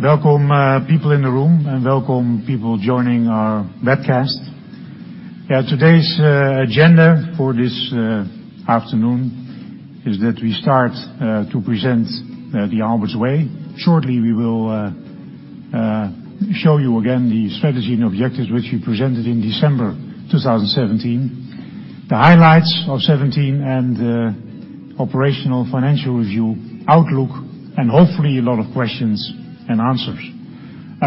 Welcome, people in the room, and welcome, people joining our webcast. Today's agenda for this afternoon is that we start to present the Aalberts way. We will show you again the strategy and objectives which we presented in December 2017, the highlights of 2017 and the operational financial review outlook, and hopefully a lot of questions and answers.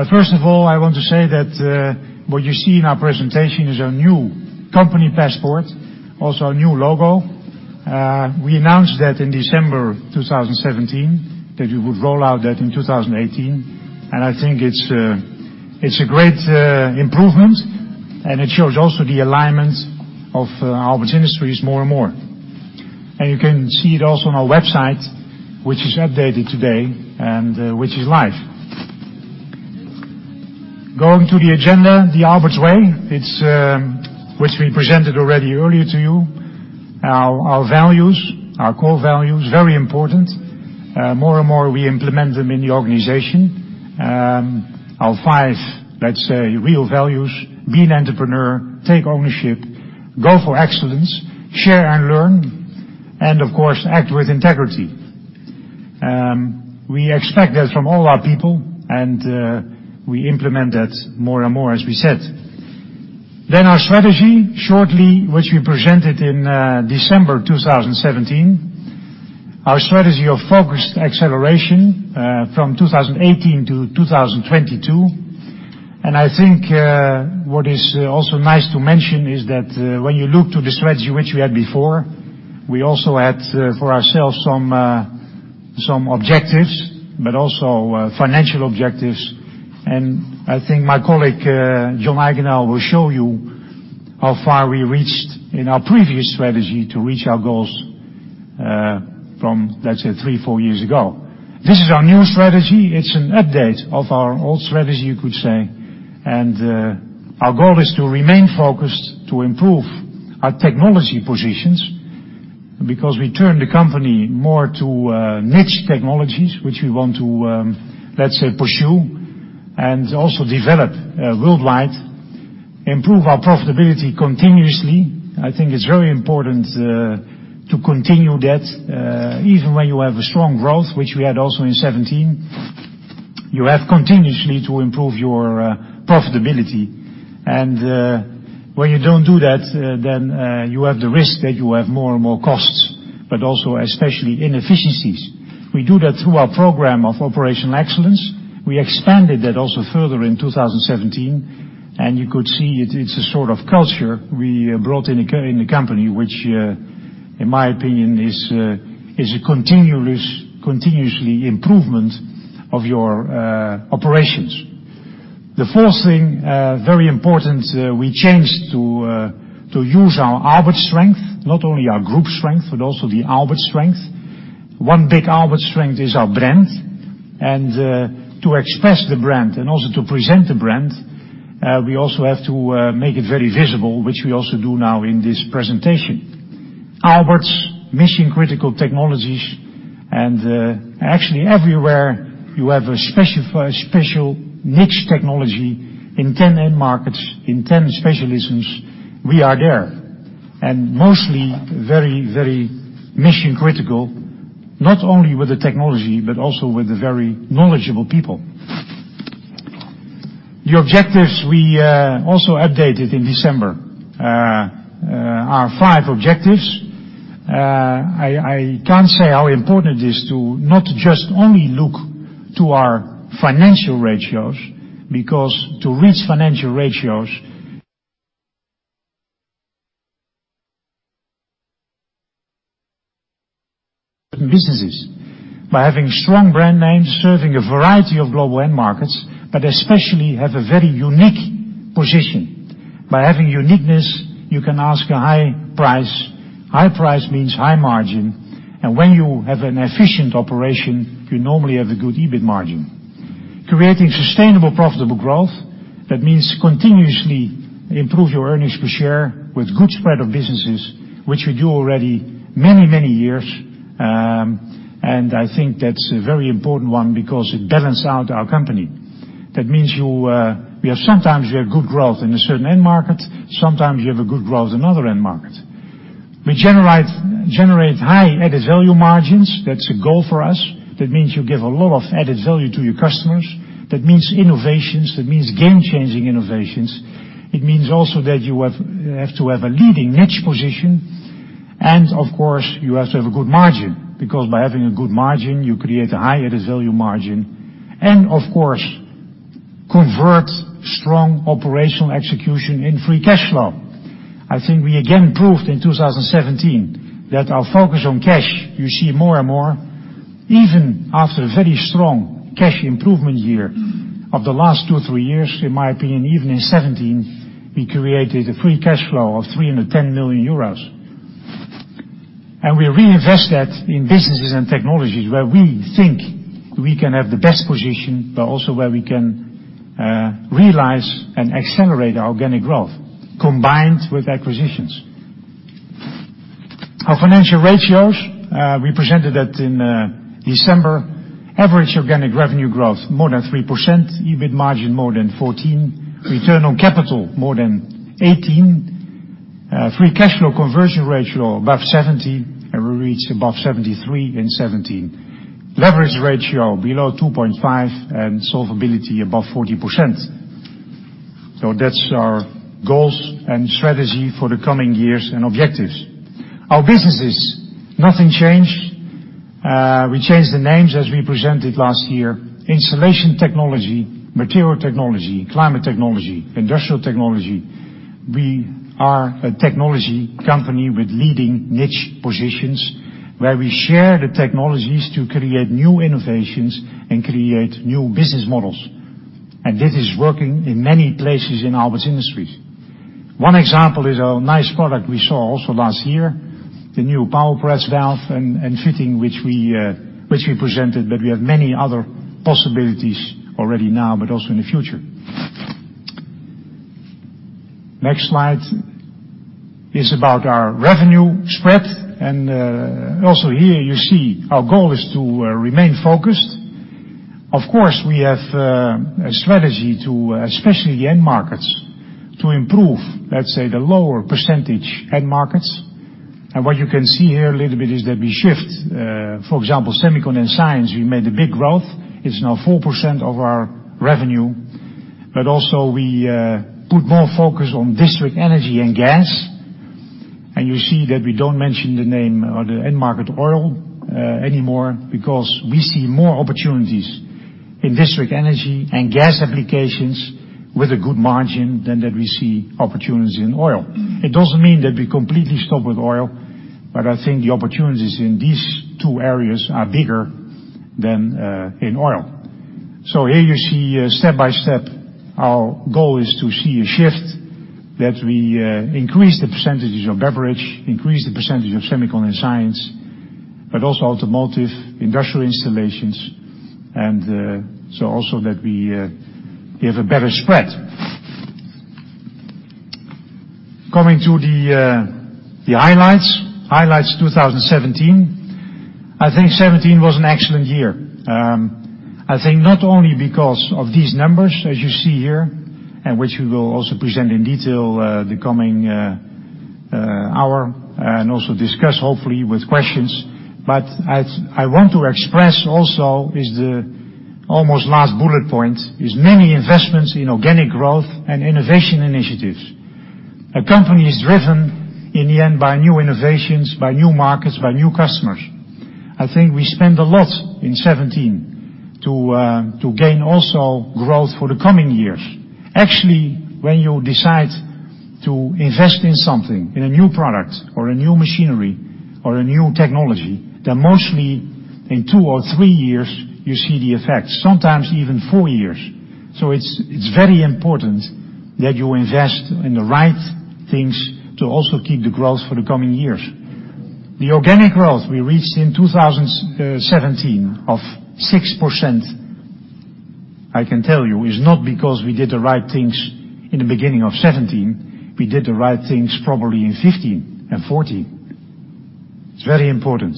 First of all, I want to say that what you see in our presentation is our new company passport, also our new logo. We announced that in December 2017, that we would roll out that in 2018, I think it's a great improvement, and it shows also the alignment of Aalberts Industries more and more. You can see it also on our website, which is updated today, which is live. Going to the agenda, the Aalberts way, which we presented already earlier to you. Our values, our core values, very important. More and more, we implement them in the organization. Our five, let's say, real values, be an entrepreneur, take ownership, go for excellence, share and learn, and of course, act with integrity. We expect that from all our people, we implement that more and more, as we said. Our strategy, shortly, which we presented in December 2017. Our strategy of focused acceleration from 2018 to 2022. I think what is also nice to mention is that when you look to the strategy which we had before, we also had for ourselves some objectives, also financial objectives. I think my colleague, John Eijgendaal, will show you how far we reached in our previous strategy to reach our goals from, let's say, three, four years ago. This is our new strategy. It's an update of our old strategy, you could say. Our goal is to remain focused to improve our technology positions, because we turn the company more to niche technologies, which we want to, let's say, pursue and also develop worldwide. Improve our profitability continuously. I think it's very important to continue that. Even when you have a strong growth, which we had also in 2017, you have continuously to improve your profitability. When you don't do that, you have the risk that you have more and more costs, also especially inefficiencies. We do that through our program of operational excellence. We expanded that also further in 2017, you could see it's a sort of culture we brought in the company, which, in my opinion, is a continuous improvement of your operations. The fourth thing, very important, we changed to use our Aalberts strength, not only our group strength, also the Aalberts strength. One big Aalberts strength is our brand. To express the brand and also to present the brand, we also have to make it very visible, which we also do now in this presentation. Aalberts, mission-critical technologies, actually everywhere you have a special niche technology in 10 end markets, in 10 specialisms, we are there. Mostly very mission critical, not only with the technology, also with the very knowledgeable people. The objectives we also updated in December, our five objectives. I can't say how important it is to not just only look to our financial ratios, because to reach financial ratios businesses by having strong brand names serving a variety of global end markets, especially have a very unique position. By having uniqueness, you can ask a high price. High price means high margin. When you have an efficient operation, you normally have a good EBIT margin. Creating sustainable profitable growth, that means continuously improve your earnings per share with good spread of businesses, which we do already many years. I think that's a very important one because it balance out our company. That means sometimes you have good growth in a certain end market, sometimes you have a good growth in other end market. We generate high added value margins. That's a goal for us. That means you give a lot of added value to your customers. That means innovations, that means game-changing innovations. It means also that you have to have a leading niche position. Of course, you have to have a good margin, because by having a good margin, you create a high added value margin. Of course, convert strong operational execution in free cash flow. I think we again proved in 2017 that our focus on cash, you see more and more, even after a very strong cash improvement year of the last two, three years, in my opinion, even in 2017, we created a free cash flow of 310 million euros. We reinvest that in businesses and technologies where we think we can have the best position, but also where we can realize and accelerate our organic growth combined with acquisitions. Our financial ratios, we presented that in December. Average organic revenue growth more than 3%, EBIT margin more than 14%, return on capital more than 18%, free cash flow conversion ratio above 17%, and we reached above 73% in 2017. Leverage ratio below 2.5, and solvability above 40%. That's our goals and strategy for the coming years and objectives. Our businesses, nothing changed. We changed the names as we presented last year. Installation Technology, Material Technology, Climate Technology, Industrial Technology. We are a technology company with leading niche positions, where we share the technologies to create new innovations and create new business models. This is working in many places in Aalberts Industries. One example is a nice product we saw also last year, the new PowerPress valve and fitting, which we presented, but we have many other possibilities already now, but also in the future. Next slide is about our revenue spread, also here you see our goal is to remain focused. Of course, we have a strategy to, especially the end markets, to improve, let's say, the lower percentage end markets. What you can see here a little bit is that we shift, for example, semiconductor and science, we made a big growth. It's now 4% of our revenue, but also we put more focus on district energy and gas. You see that we don't mention the name or the end market oil anymore because we see more opportunities in district energy and gas applications with a good margin than that we see opportunities in oil. It doesn't mean that we completely stop with oil, but I think the opportunities in these two areas are bigger than in oil. Here you see step by step our goal is to see a shift that we increase the percentages of beverage, increase the percentage of semiconductor and science, automotive, industrial installations, that we have a better spread. Coming to the highlights. Highlights 2017. 2017 was an excellent year. Not only because of these numbers, as you see here, which we will also present in detail the coming hour, also discuss hopefully with questions. I want to express also is the almost last bullet point, is many investments in organic growth and innovation initiatives. A company is driven, in the end, by new innovations, by new markets, by new customers. We spent a lot in 2017 to gain also growth for the coming years. When you decide to invest in something, in a new product or a new machinery or a new technology, then mostly in two or three years, you see the effects, sometimes even four years. It's very important that you invest in the right things to also keep the growth for the coming years. The organic growth we reached in 2017 of 6%, I can tell you, is not because we did the right things in the beginning of 2017. We did the right things probably in 2015 and 2014. It's very important.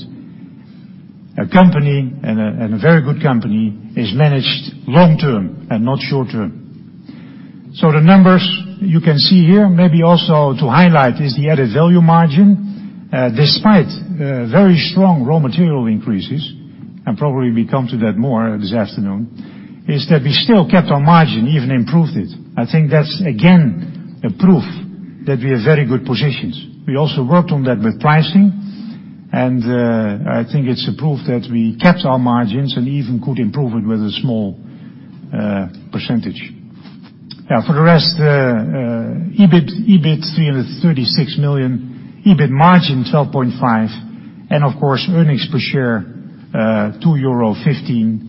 A company, and a very good company, is managed long term and not short term. The numbers you can see here, maybe also to highlight, is the added value margin. Despite very strong raw material increases, probably we come to that more this afternoon, is that we still kept our margin, even improved it. That's, again, a proof that we are very good positions. We also worked on that with pricing, it's a proof that we kept our margins and even could improve it with a small percentage. For the rest, the EBIT, 336 million, EBIT margin 12.5%, earnings per share, 2.15 euro,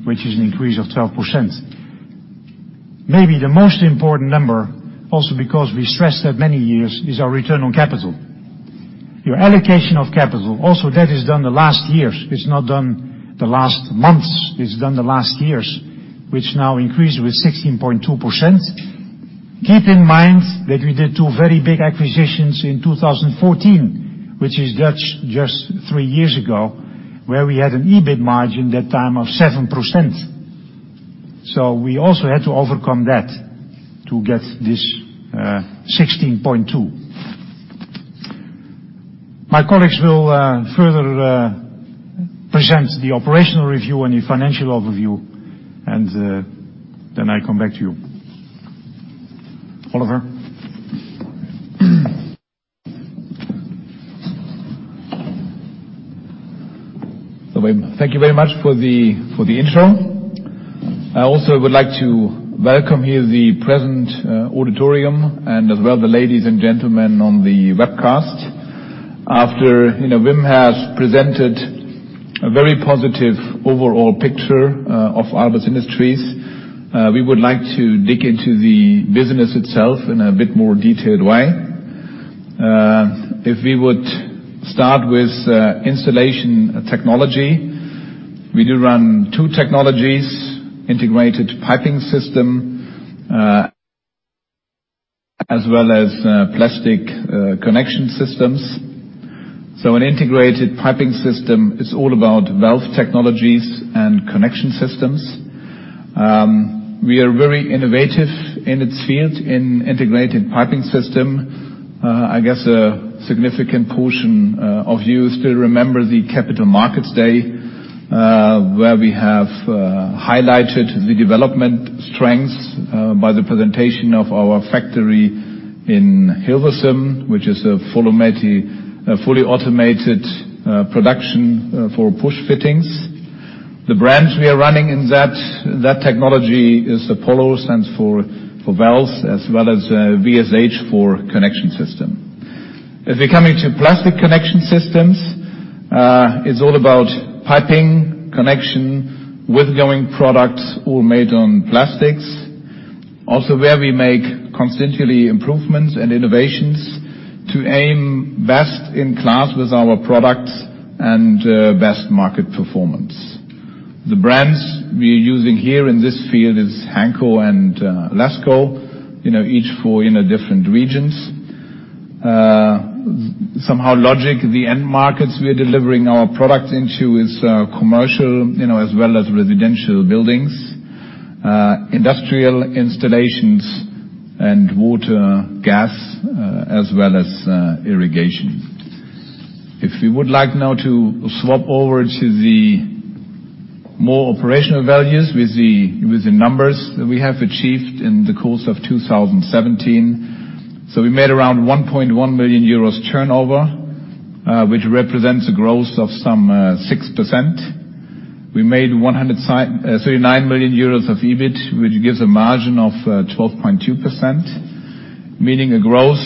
which is an increase of 12%. Maybe the most important number, also because we stressed that many years, is our return on capital. Your allocation of capital, also that is done the last years. It's not done the last months. It's done the last years, which now increased with 16.2%. Keep in mind that we did two very big acquisitions in 2014, which is just three years ago, where we had an EBIT margin that time of 7%. We also had to overcome that to get this 16.2%. My colleagues will further present the operational review and the financial overview. I come back to you. Oliver. Wim, thank you very much for the intro. I also would like to welcome here the present auditorium and as well the ladies and gentlemen on the webcast. After Wim has presented a very positive overall picture of Aalberts Industries, we would like to dig into the business itself in a bit more detailed way. If we would start with installation technology, we do run two technologies, integrated piping systems as well as plastic connection systems. An integrated piping systems is all about valve technologies and connection systems. We are very innovative in its field in integrated piping systems. I guess a significant portion of you still remember the Capital Markets Day, where we have highlighted the development strengths by the presentation of our factory in Hilversum, which is a fully automated production for push fittings. The brands we are running in that technology is Apollo, stands for valves, as well as VSH for connection systems. If we come into plastic connection systems, it's all about piping, connection with going products all made on plastics. Also where we make constantly improvements and innovations to aim best in class with our products and best market performance. The brands we are using here in this field is Hancock and LASCO, each for different regions. Somehow logic, the end markets we are delivering our product into is commercial, as well as residential buildings, industrial installations and water, gas, as well as irrigation. If we would like now to swap over to the more operational values with the numbers that we have achieved in the course of 2017. We made around 1.1 million euros turnover, which represents a growth of some 6%. We made 139 million euros of EBIT, which gives a margin of 12.2%, meaning a growth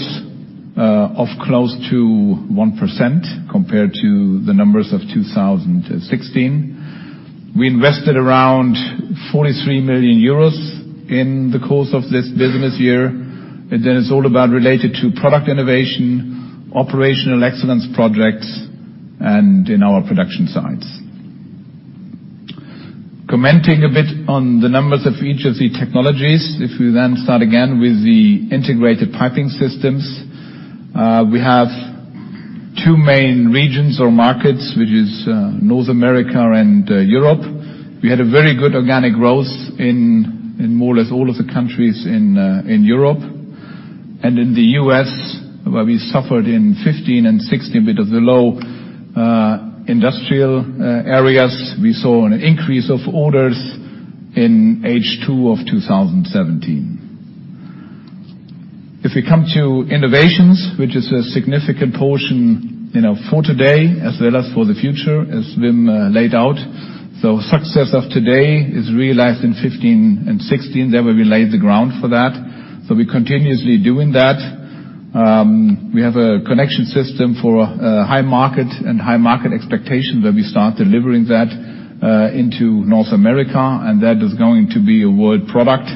of close to 1% compared to the numbers of 2016. We invested around 43 million euros in the course of this business year. It's all about related to product innovation, operational excellence projects, and in our production sites. Commenting a bit on the numbers of each of the technologies. If we then start again with the integrated piping systems. We have two main regions or markets, which is North America and Europe. We had a very good organic growth in more or less all of the countries in Europe. In the U.S., where we suffered in 2015 and 2016 a bit of the low industrial areas, we saw an increase of orders in H2 2017. If we come to innovations, which is a significant portion for today as well as for the future, as Wim laid out. Success of today is realized in 2015 and 2016, where we laid the ground for that. We're continuously doing that. We have a connection systems for high market and high market expectation where we start delivering that into North America, and that is going to be a world product.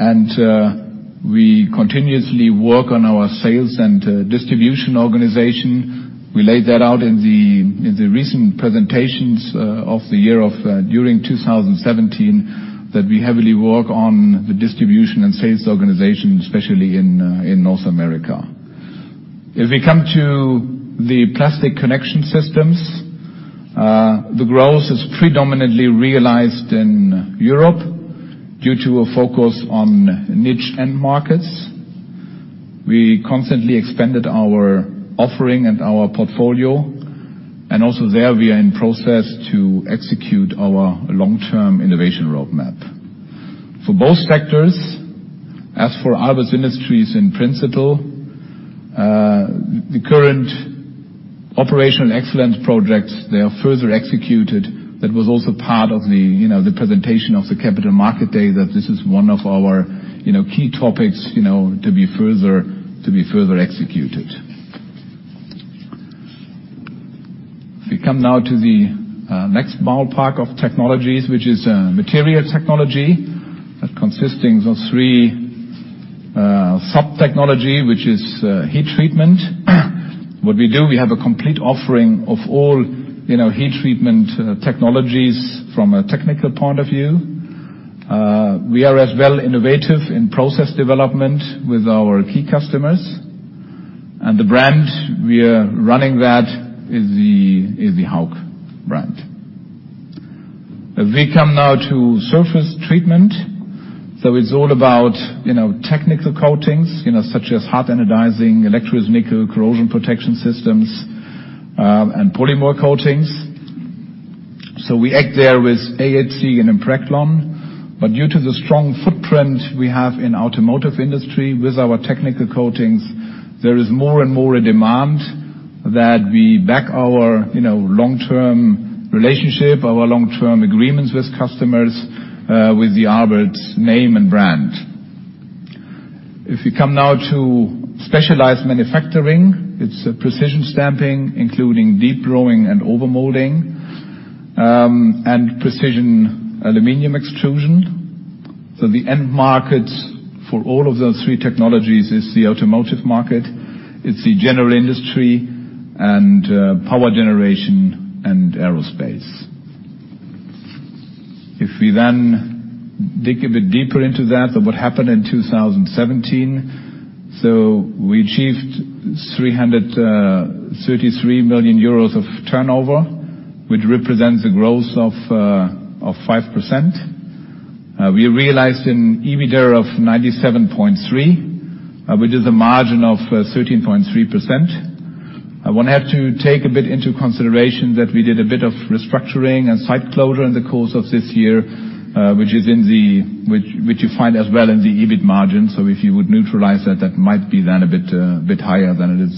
We continuously work on our sales and distribution organization. We laid that out in the recent presentations of the year of during 2017, that we heavily work on the distribution and sales organization, especially in North America. If we come to the plastic connection systems, the growth is predominantly realized in Europe due to a focus on niche end markets. We constantly expanded our offering and our portfolio. Also there, we are in process to execute our long-term innovation roadmap. For both sectors, as for Aalberts Industries in principle, the current operational excellence projects, they are further executed. That was also part of the presentation of the Capital Markets Day, that this is one of our key topics to be further executed. If we come now to the next ballpark of technologies, which is material technology, that consisting of three sub technology, which is heat treatment. What we do, we have a complete offering of all heat treatment technologies from a technical point of view. We are as well innovative in process development with our key customers. The brand we are running that is the Hauck brand. If we come now to surface treatment. It's all about technical coatings, such as hard anodizing, electroless nickel, corrosion protection systems, and polymer coatings. We act there with AHC and Impreglon. Due to the strong footprint we have in automotive industry with our technical coatings, there is more and more a demand that we back our long-term relationship, our long-term agreements with customers, with the Aalberts name and brand. If you come now to specialized manufacturing, it's a precision stamping, including deep drawing and overmolding, and precision aluminum extrusion. The end markets for all of those three technologies is the automotive market, it's the general industry, and power generation and aerospace. If we then dig a bit deeper into that, of what happened in 2017. We achieved 333 million euros of turnover, which represents a growth of 5%. We realized an EBITDA of 97.3, which is a margin of 13.3%. One have to take a bit into consideration that we did a bit of restructuring and site closure in the course of this year, which you find as well in the EBIT margin. If you would neutralize that might be then a bit higher than it is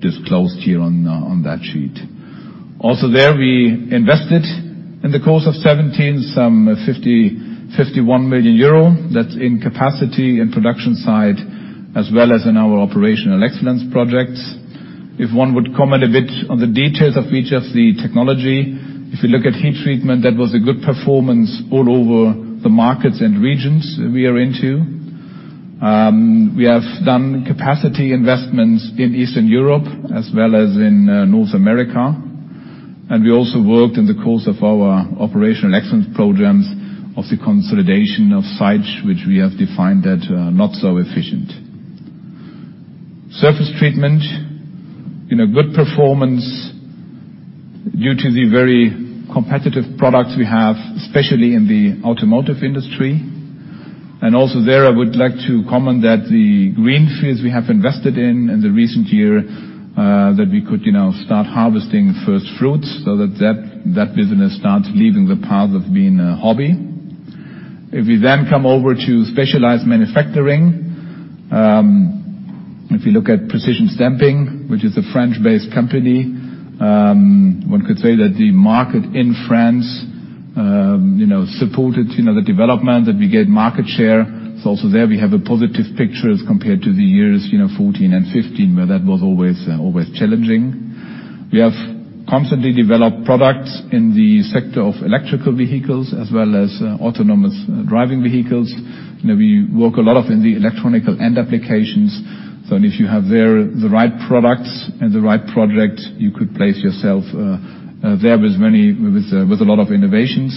disclosed here on that sheet. Also there, we invested in the course of 2017, some 51 million euro. That's in capacity and production side as well as in our operational excellence projects. If one would comment a bit on the details of each of the technology, if you look at heat treatment, that was a good performance all over the markets and regions that we are into. We have done capacity investments in Eastern Europe as well as in North America. We also worked in the course of our operational excellence programs of the consolidation of sites, which we have defined that are not so efficient. Surface treatment, in a good performance due to the very competitive products we have, especially in the automotive industry. Also there, I would like to comment that the green fields we have invested in in the recent year, that we could start harvesting first fruits so that that business starts leaving the path of being a hobby. If we then come over to specialized manufacturing. If you look at precision stamping, which is a French-based company, one could say that the market in France supported the development, that we gained market share. Also there we have a positive picture as compared to the years 2014 and 2015, where that was always challenging. We have constantly developed products in the sector of electrical vehicles as well as autonomous driving vehicles. We work a lot of in the electrical end applications, if you have there the right products and the right product, you could place yourself there with a lot of innovations.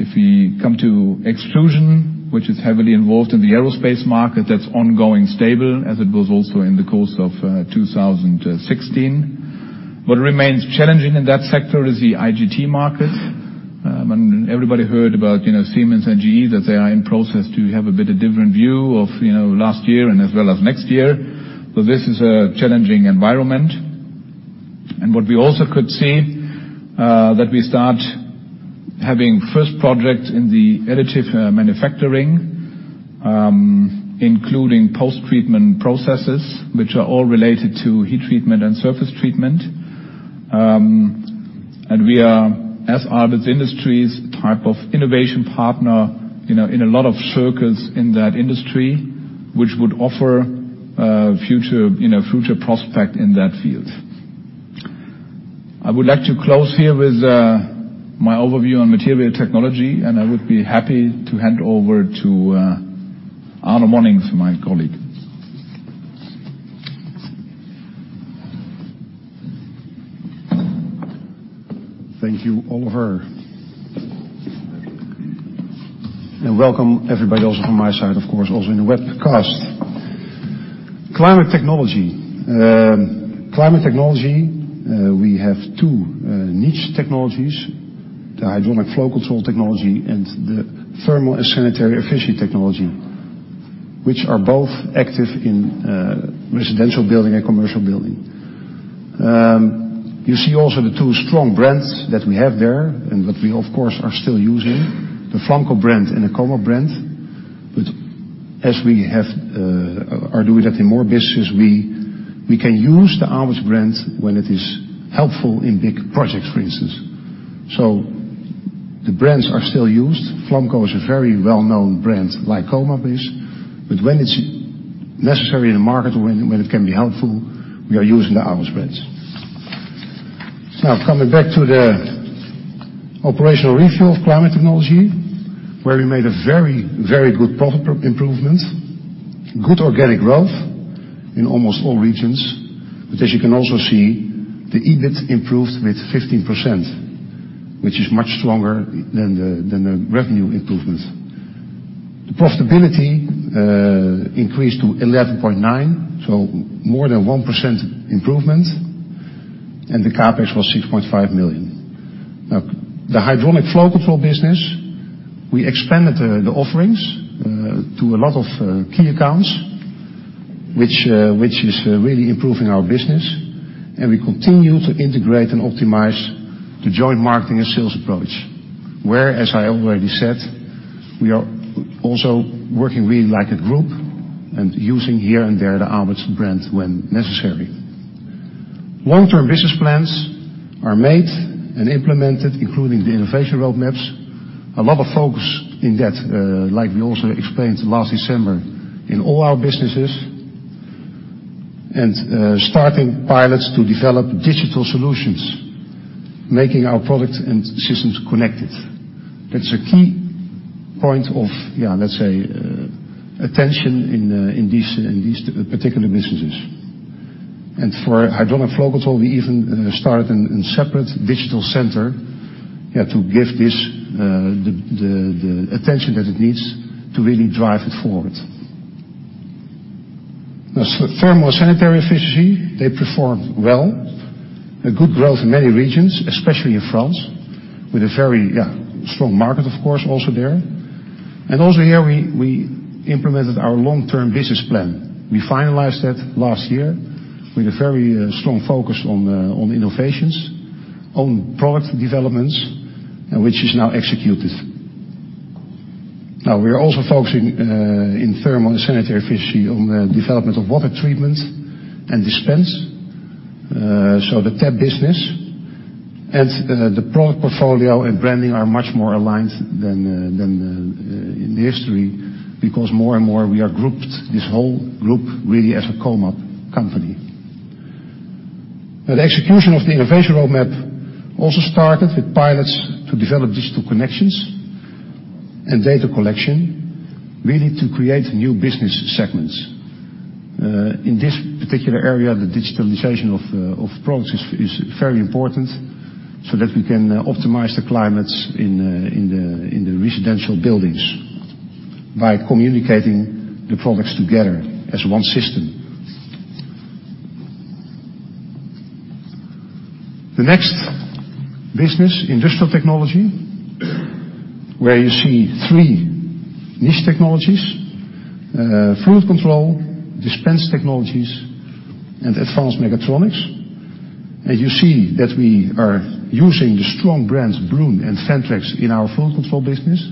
If we come to extrusion, which is heavily involved in the aerospace market, that's ongoing stable, as it was also in the course of 2016. What remains challenging in that sector is the IGT market. Everybody heard about Siemens and GE that they are in process to have a bit of different view of last year and as well as next year. This is a challenging environment. What we also could see that we start having first project in the additive manufacturing, including post-treatment processes, which are all related to heat treatment and surface treatment. We are, as Aalberts Industries, type of innovation partner in a lot of circles in that industry, which would offer future prospect in that field. I would like to close here with my overview on Material Technology, I would be happy to hand over to Arno Monincx, my colleague. Thank you, Oliver. Welcome everybody also from my side, of course, also in the webcast. Climate Technology. Climate Technology, we have two niche technologies, the hydronic flow control technology and the thermal and sanitary efficiency technology, which are both active in residential building and commercial building. You see also the two strong brands that we have there and that we of course are still using, the Flamco brand and Acova brand. As we are doing that in more business, we can use the Aalberts brand when it is helpful in big projects, for instance. The brands are still used. Flamco is a very well-known brand like Acova is. When it's necessary in the market or when it can be helpful, we are using the Aalberts brands. Coming back to the operational review of Climate Technology, where we made a very good profit improvement. Good organic growth in almost all regions. As you can also see, the EBIT improved with 15%, which is much stronger than the revenue improvements. The profitability increased to 11.9%, more than 1% improvement. The CapEx was 6.5 million. The hydronic flow control business, we expanded the offerings to a lot of key accounts, which is really improving our business. We continue to integrate and optimize the joint marketing and sales approach, where, as I already said, we are also working really like a group and using here and there the Aalberts brand when necessary. Long-term business plans are made and implemented, including the innovation roadmaps. A lot of focus in that, like we also explained last December, in all our businesses. Starting pilots to develop digital solutions, making our products and systems connected. That is a key point of, let's say, attention in these particular businesses. For hydronic flow control, we even started in separate digital center to give the attention that it needs to really drive it forward. Thermal and sanitary efficiency, they perform well. A good growth in many regions, especially in France, with a very strong market, of course, also there. Also here we implemented our long-term business plan. We finalized that last year with a very strong focus on innovations, on product developments, which is now executed. We are also focusing in Thermal and sanitary efficiency on the development of water treatment and dispense. The tap business and the product portfolio and branding are much more aligned than in history because more and more we are grouped, this whole group, really as a Comap company. The execution of the innovation roadmap also started with pilots to develop digital connections and data collection, really to create new business segments. In this particular area, the digitalization of products is very important so that we can optimize the climates in the residential buildings by communicating the products together as one system. The next business, Industrial technology, where you see three niche technologies: fluid control, dispense technologies, and advanced mechatronics. You see that we are using the strong brands Bluvin and Sentrix in our fluid control business.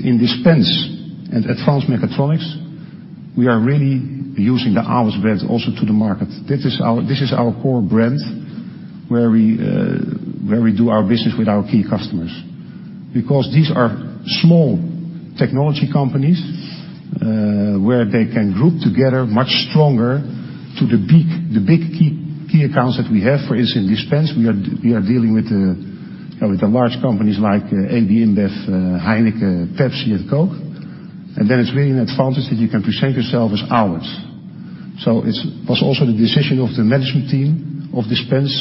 In dispense and advanced mechatronics, we are really using the Aalberts brands also to the market. This is our core brand where we do our business with our key customers. These are small technology companies where they can group together much stronger to the big key accounts that we have. For instance, dispense, we are dealing with the large companies like AB InBev, Heineken, PepsiCo, and Coke. Then it is really an advantage that you can present yourself as Aalberts. It was also the decision of the management team of Dispense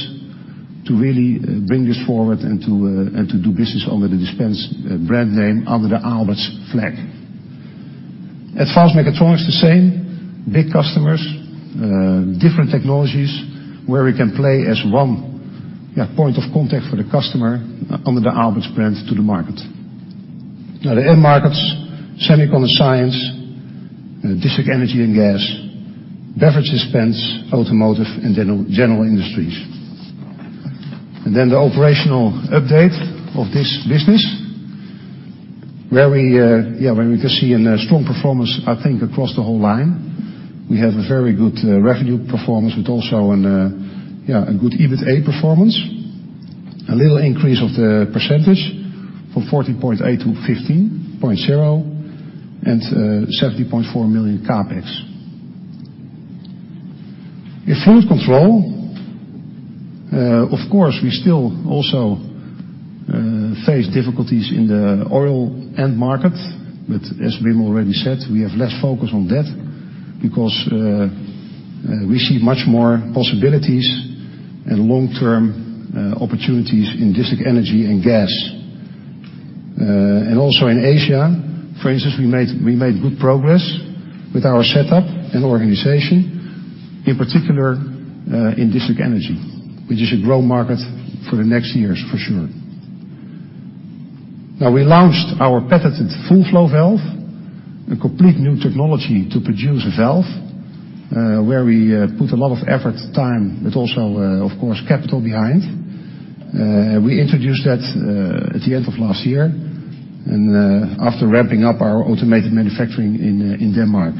to really bring this forward and to do business under the Dispense brand name under the Aalberts flag. Advanced mechatronics, the same. Big customers, different technologies, where we can play as one point of contact for the customer under the Aalberts brand to the market. The end markets, semiconductor science, district energy and gas, beverage dispense, automotive, and general industries. Then the operational update of this business, where we can see a strong performance, I think, across the whole line. We have a very good revenue performance with also a good EBITA performance. A little increase of the percentage from 14.8% to 15.0% and EUR 70.4 million CapEx. In fluid control, of course, we still also face difficulties in the oil end market. As Wim already said, we have less focus on that because we see much more possibilities and long-term opportunities in district energy and gas. Also in Asia, for instance, we made good progress with our setup and organization, in particular in district energy, which is a growth market for the next years, for sure. We launched our patented FullFlow valve, a complete new technology to produce a valve, where we put a lot of effort, time, but also, of course, capital behind. We introduced that at the end of last year after ramping up our automated manufacturing in Denmark.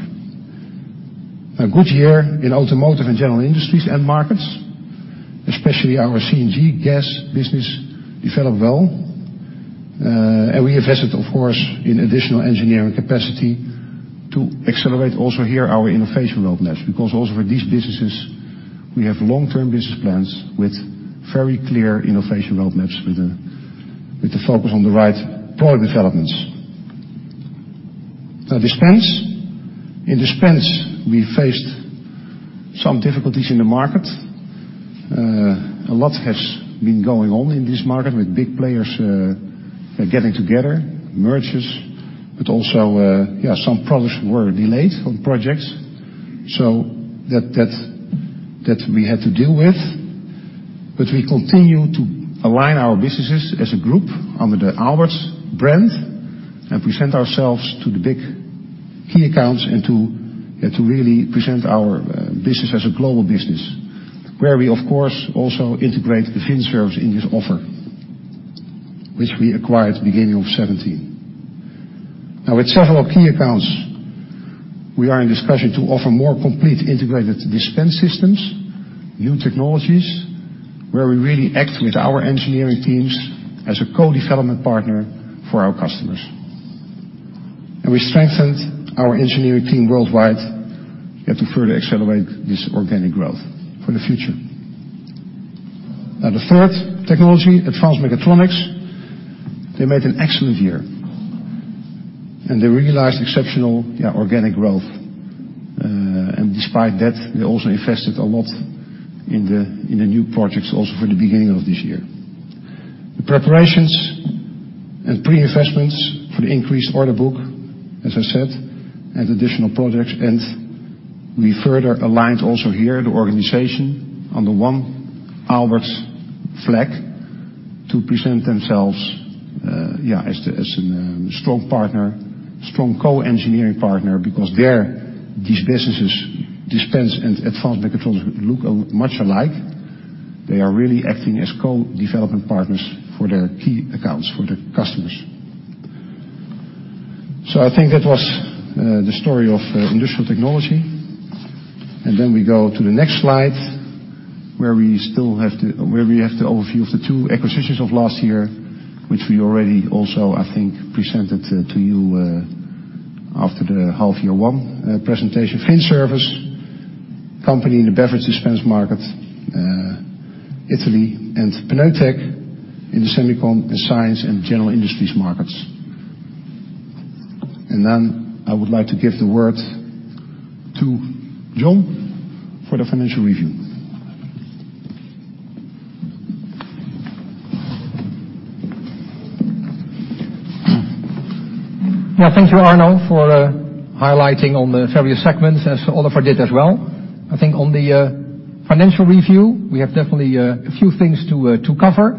A good year in automotive and general industries end markets, especially our CNG gas business developed well. We invested, of course, in additional engineering capacity to accelerate also here our innovation roadmaps, because also for these businesses, we have long-term business plans with very clear innovation roadmaps with the focus on the right product developments. Dispense. In dispense, we faced some difficulties in the market. A lot has been going on in this market with big players getting together, mergers, but also some products were delayed from projects. That we had to deal with. We continue to align our businesses as a group under the Aalberts brand and present ourselves to the big key accounts and to really present our business as a global business, where we, of course, also integrate the Vin Service in this offer, which we acquired beginning of 2017. With several key accounts, we are in discussion to offer more complete integrated dispense systems, new technologies, where we really act with our engineering teams as a co-development partner for our customers. We strengthened our engineering team worldwide to further accelerate this organic growth for the future. The third technology, advanced mechatronics, they made an excellent year and they realized exceptional organic growth. Despite that, they also invested a lot in the new projects also for the beginning of this year. The preparations and pre-investments for the increased order book, as I said, add additional projects and we further aligned also here the organization under one Aalberts flag to present themselves as a strong partner, strong co-engineering partner because there, these businesses, dispense and advanced mechatronics look much alike. They are really acting as co-development partners for their key accounts for their customers. I think that was the story of industrial technology. Then we go to the next slide where we have the overview of the two acquisitions of last year, which we already also, I think, presented to you after the half year one presentation. Vin Service, company in the beverage dispense market, Italy, and PNEUTEC in the semiconductor and science and general industries markets. Then I would like to give the word to John for the financial review. Thank you, Arno, for highlighting on the various segments as Oliver did as well. I think on the financial review, we have definitely a few things to cover.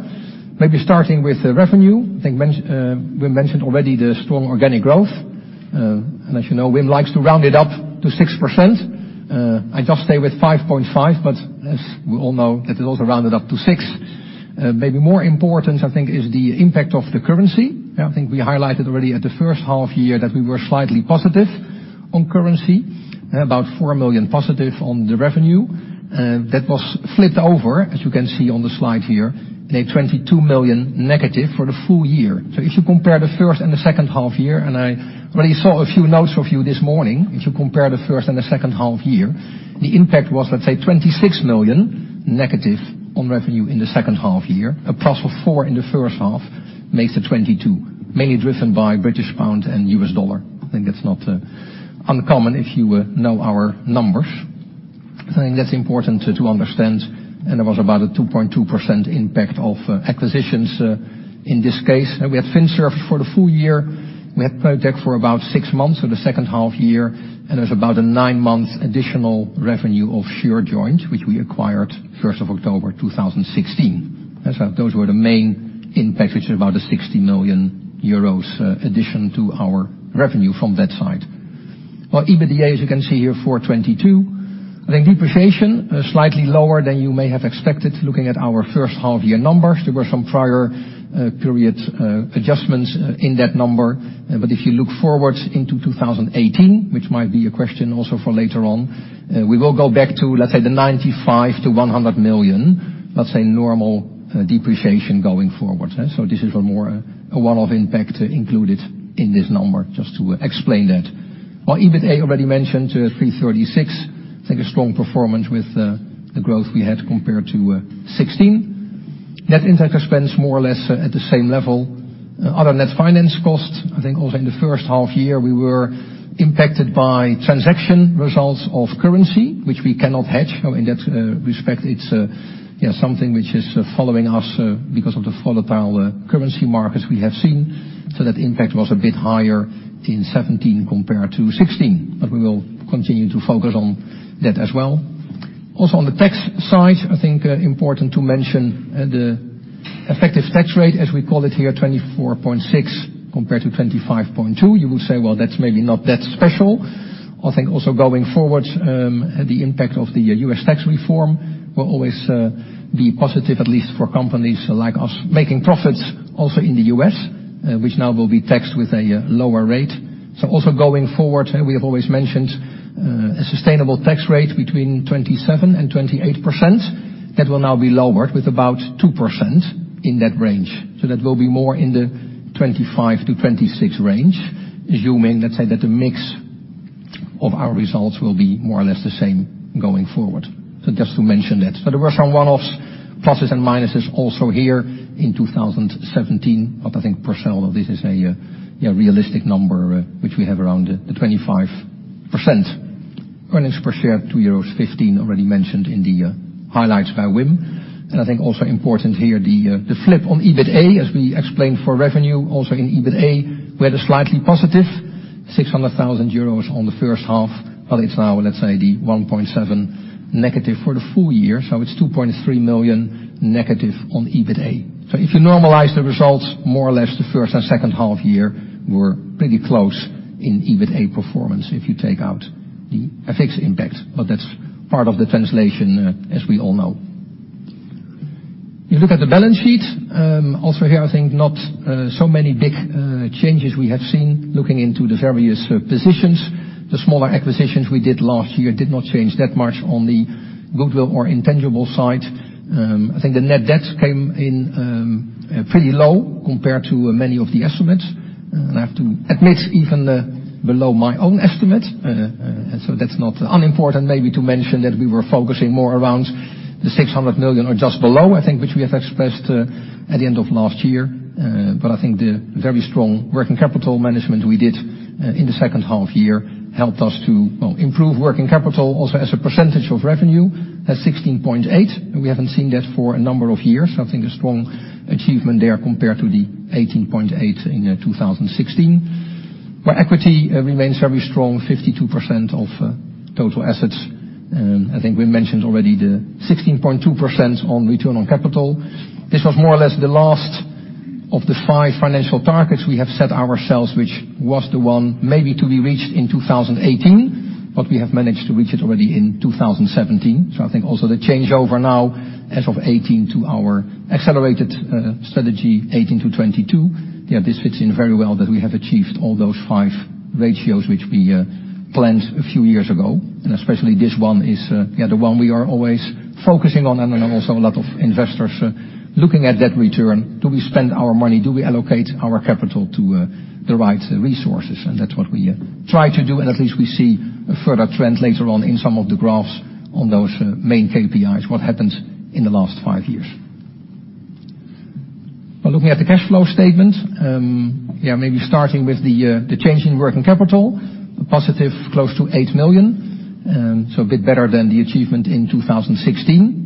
Starting with revenue. I think Wim mentioned already the strong organic growth. As you know, Wim likes to round it up to 6%. I just stay with 5.5%, but as we all know, that is also rounded up to 6. More important, I think, is the impact of the currency. I think we highlighted already at the first half year that we were slightly positive on currency, about 4 million positive on the revenue. That was flipped over, as you can see on the slide here, a 22 million negative for the full year. If you compare the first and the second half year, I already saw a few notes for you this morning. If you compare the first and the second half year, the impact was, let's say, 26 million negative on revenue in the second half year. A plus of four in the first half makes it 22, mainly driven by British pound and US dollar. I think it's not uncommon if you know our numbers. I think that's important to understand, and there was about a 2.2% impact of acquisitions in this case. We had Vin Service for the full year. We had PNEUTEC for about six months for the second half year, and there's about a nine-month additional revenue of Shurjoint, which we acquired 1st of October 2016. Those were the main impact, which is about a 60 million euros addition to our revenue from that side. EBITDA, as you can see here, 422 million. I think depreciation, slightly lower than you may have expected looking at our first half year numbers. There were some prior period adjustments in that number. If you look forward into 2018, which might be a question also for later on, we will go back to, let's say, the 95 million-100 million, let's say, normal depreciation going forward. This is a one-off impact included in this number, just to explain that. EBITA already mentioned 336 million. I think a strong performance with the growth we had compared to 2016. Net interest expense more or less at the same level. Other net finance costs, I think also in the first half year, we were impacted by transaction results of currency, which we cannot hedge. In that respect it's something which is following us because of the volatile currency markets we have seen. That impact was a bit higher in 2017 compared to 2016, but we will continue to focus on that as well. Also on the tax side, I think important to mention the effective tax rate, as we call it here, 24.6% compared to 25.2%. You will say, "Well, that's maybe not that special." I think also going forward, the impact of the US tax reform will always be positive, at least for companies like us making profits also in the U.S., which now will be taxed with a lower rate. Also going forward, we have always mentioned a sustainable tax rate between 27%-28%. That will now be lowered with about 2% in that range. That will be more in the 25%-26% range, assuming, let's say that the mix of our results will be more or less the same going forward. Just to mention that. There were some one-offs, pluses and minuses also here in 2017. I think, per se, all of this is a realistic number which we have around the 25%. Earnings per share 2.15 euros already mentioned in the highlights by Wim. I think also important here, the flip on EBITA, as we explained for revenue, also in EBITA, we had a slightly positive 600,000 euros on the first half, it's now, let's say, the 1.7 million negative for the full year. It's 2.3 million negative on EBITA. If you normalize the results, more or less the first and second half year were pretty close in EBITA performance if you take out the FX impact. That's part of the translation as we all know. You look at the balance sheet. Also here, I think not so many big changes we have seen looking into the various positions. The smaller acquisitions we did last year did not change that much on the goodwill or intangible side. The net debt came in pretty low compared to many of the estimates. I have to admit, even below my own estimate. That's not unimportant, maybe to mention that we were focusing more around 600 million or just below, which we have expressed at the end of last year. The very strong working capital management we did in the second half year helped us to improve working capital also as a percentage of revenue, at 16.8%, we haven't seen that for a number of years. A strong achievement there compared to the 18.8% in 2016. Equity remains very strong, 52% of total assets. We mentioned already the 16.2% on return on capital. This was more or less the last of the five financial targets we have set ourselves, which was the one maybe to be reached in 2018, we have managed to reach it already in 2017. Also the changeover now, as of 2018 to our accelerated strategy 2018 to 2022. This fits in very well that we have achieved all those five ratios which we planned a few years ago. Especially this one is the one we are always focusing on, also a lot of investors looking at that return. Do we spend our money? Do we allocate our capital to the right resources? That's what we try to do, at least we see a further trend later on in some of the graphs on those main KPIs, what happened in the last five years. Now looking at the cash flow statement. Maybe starting with the change in working capital, a positive close to 8 million. A bit better than the achievement in 2016,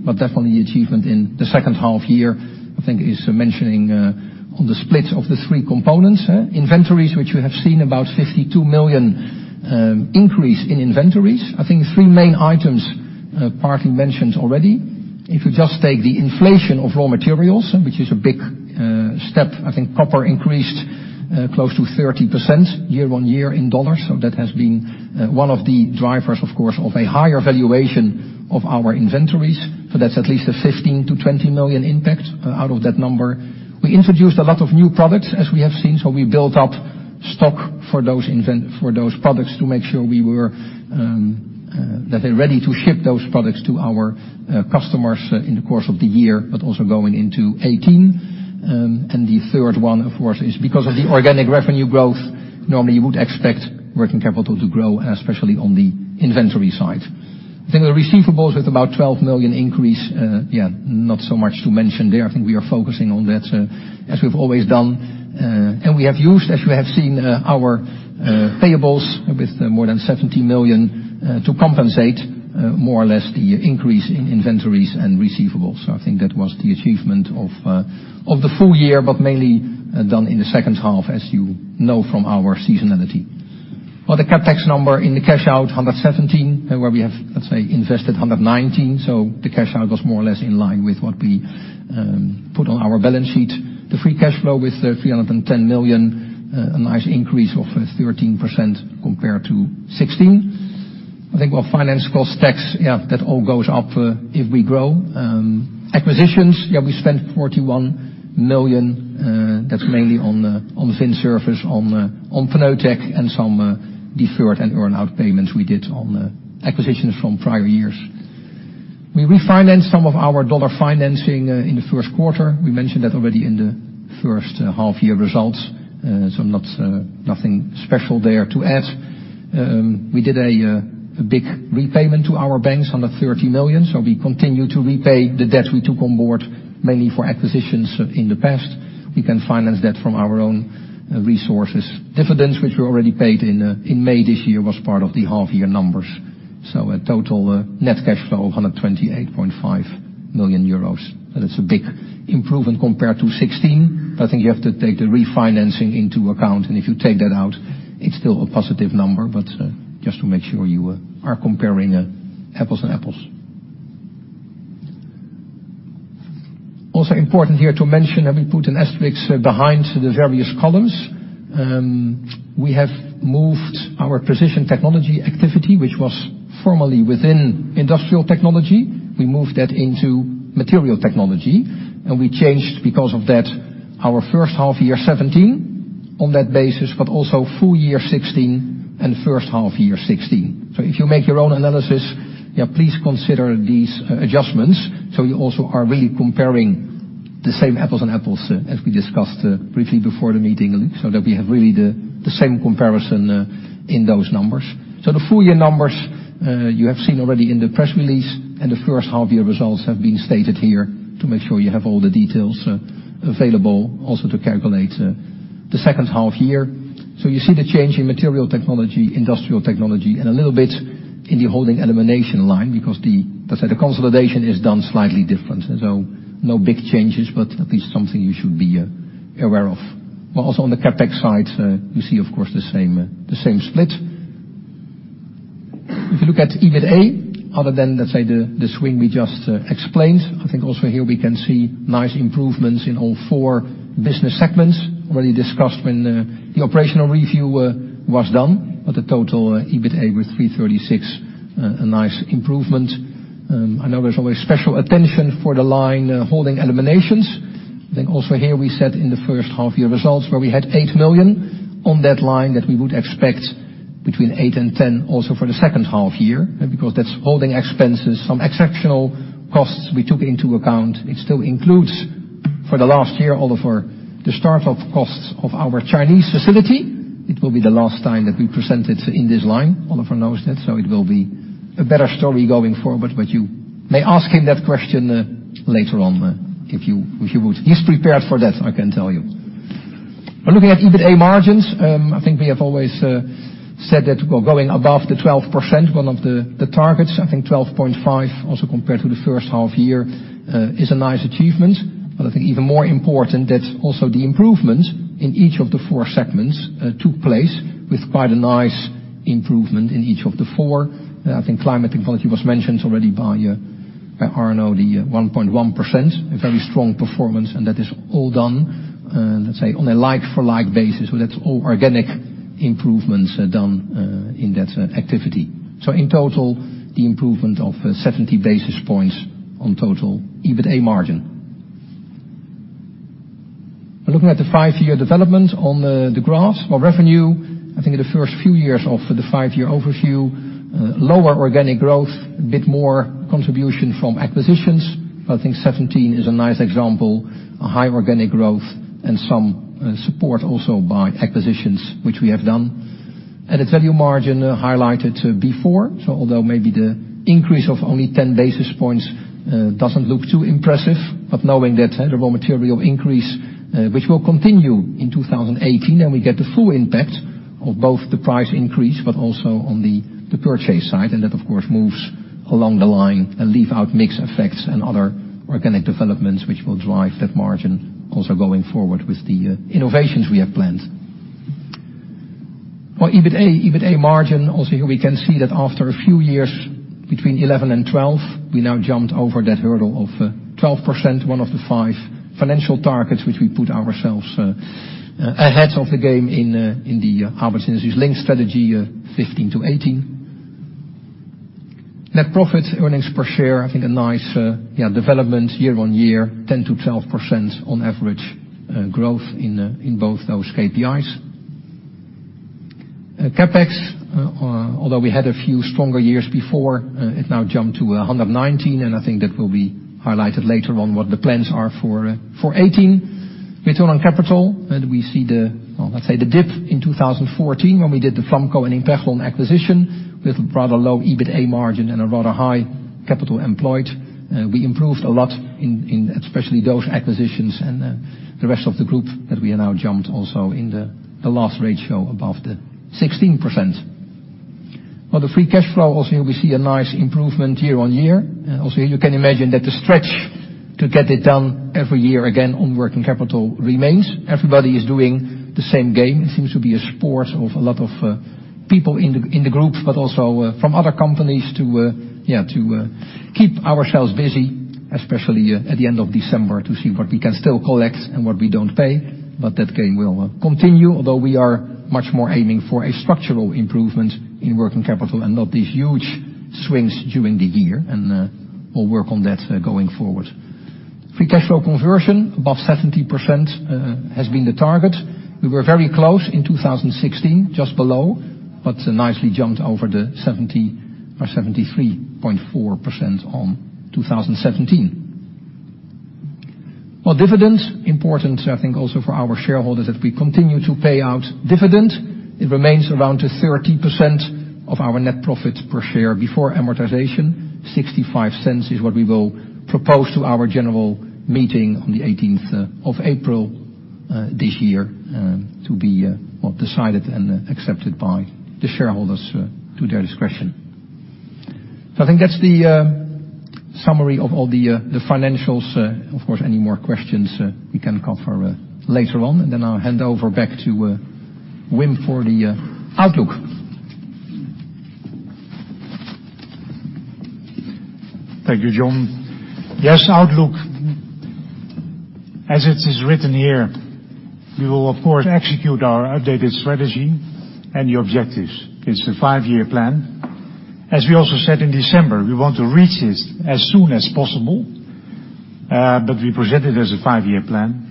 definitely achievement in the second half year, is mentioning on the split of the three components. Inventories, which we have seen about 52 million increase in inventories. Three main items, partly mentioned already. If you just take the inflation of raw materials, which is a big step, copper increased close to 30% year-on-year in U.S. dollars. That has been one of the drivers, of course, of a higher valuation of our inventories. That's at least a 15 million-20 million impact out of that number. We introduced a lot of new products, as we have seen, we built up stock for those products to make sure that they're ready to ship those products to our customers in the course of the year, also going into 2018. The third one, of course, is because of the organic revenue growth. Normally, you would expect working capital to grow, especially on the inventory side. The receivables with about 12 million increase. Not so much to mention there. We are focusing on that as we've always done. We have used, as you have seen, our payables with more than 17 million to compensate more or less the increase in inventories and receivables. That was the achievement of the full year, mainly done in the second half, as you know from our seasonality. The CapEx number in the cash out, 117, where we have, let's say, invested 119. The cash out was more or less in line with what we put on our balance sheet. The free cash flow with 310 million, a nice increase of 13% compared to 2016. I think our financial cost tax, yeah, that all goes up if we grow. Acquisitions, yeah, we spent 41 million. That's mainly on Vin Service, on PNEUTEC, and some deferred and earn-out payments we did on acquisitions from prior years. We refinanced some of our U.S. dollar financing in the first quarter. We mentioned that already in the first half year results. Nothing special there to add. We did a big repayment to our banks, 130 million. We continue to repay the debt we took on board, mainly for acquisitions in the past. We can finance that from our own resources. Dividends, which we already paid in May this year, was part of the half year numbers. A total net cash flow of 128.5 million euros. That is a big improvement compared to 2016. I think you have to take the refinancing into account, and if you take that out, it's still a positive number, but just to make sure you are comparing apples and apples. Also important here to mention that we put an asterisk behind the various columns. We have moved our precision technology activity, which was formerly within industrial technology. We moved that into material technology, and we changed, because of that, our first half year 2017 on that basis, but also full year 2016 and first half year 2016. If you make your own analysis, please consider these adjustments so you also are really comparing the same apples and apples as we discussed briefly before the meeting, so that we have really the same comparison in those numbers. The full year numbers, you have seen already in the press release, and the first half year results have been stated here to make sure you have all the details available also to calculate the second half year. You see the change in material technology, industrial technology, and a little bit in the holding elimination line because the consolidation is done slightly different. No big changes, but at least something you should be aware of. Also on the CapEx side, you see, of course, the same split. If you look at EBITA, other than, let's say, the swing we just explained, I think also here we can see nice improvements in all four business segments. Already discussed when the operational review was done. The total EBITA with 336, a nice improvement. I know there's always special attention for the line holding eliminations. I think also here we said in the first half year results where we had eight million on that line that we would expect between eight and 10 also for the second half year, because that's holding expenses. Some exceptional costs we took into account. It still includes, for the last year, Oliver, the start-up costs of our Chinese facility. It will be the last time that we present it in this line. Oliver knows that, so it will be a better story going forward, but you may ask him that question later on, if you would. He's prepared for that, I can tell you. Looking at EBITA margins, I think we have always said that we're going above the 12%, one of the targets. I think 12.5 also compared to the first half year is a nice achievement. I think even more important, that also the improvements in each of the four segments took place with quite a nice improvement in each of the four. I think climate technology was mentioned already by Arno, the 1.1%, a very strong performance. That is all done, let's say on a like-for-like basis. That's all organic improvements done in that activity. In total, the improvement of 70 basis points on total EBITA margin. Looking at the five-year development on the graphs. For revenue, I think in the first few years of the five-year overview, lower organic growth, a bit more contribution from acquisitions. I think 2017 is a nice example of high organic growth and some support also by acquisitions, which we have done. The value margin highlighted before. Although maybe the increase of only 10 basis points doesn't look too impressive, but knowing that the raw material increase, which will continue in 2018, then we get the full impact of both the price increase, but also on the purchase side. That, of course, moves along the line and leave out mix effects and other organic developments which will drive that margin also going forward with the innovations we have planned. For EBITA margin, also here we can see that after a few years between 2011 and 2012, we now jumped over that hurdle of 12%, one of the five financial targets which we put ourselves ahead of the game in the Aalberts Industries LINK strategy 2015 to 2018. Net profit, earnings per share, I think a nice development year on year, 10 to 12% on average growth in both those KPIs. CapEx, although we had a few stronger years before, it now jumped to 119, and I think that will be highlighted later on what the plans are for 2018. Return on capital, we see the, let's say the dip in 2014 when we did the Flamco and Impreglon acquisition with a rather low EBITA margin and a rather high capital employed. We improved a lot in especially those acquisitions and the rest of the group that we are now jumped also in the last ratio above the 16%. For the free cash flow, also here we see a nice improvement year on year. Also, you can imagine that the stretch to get it done every year again on working capital remains. Everybody is doing the same game. It seems to be a sport of a lot of people in the group, but also from other companies to keep ourselves busy, especially at the end of December, to see what we can still collect and what we don't pay. That game will continue, although we are much more aiming for a structural improvement in working capital and not these huge swings during the year. We'll work on that going forward. Free cash flow conversion above 70% has been the target. We were very close in 2016, just below, but nicely jumped over the 70% or 73.4% on 2017. For dividends, important, I think also for our shareholders, that we continue to pay out dividend. It remains around 30% of our net profit per share before amortization. 0.65 is what we will propose to our general meeting on the 18th of April this year to be decided and accepted by the shareholders to their discretion. I think that's the summary of all the financials. Of course, any more questions we can cover later on, I'll hand over back to Wim for the outlook. Thank you, John. Yes, outlook. As it is written here, we will of course execute our updated strategy and the objectives. It's a five-year plan. As we also said in December, we want to reach this as soon as possible, but we present it as a five-year plan.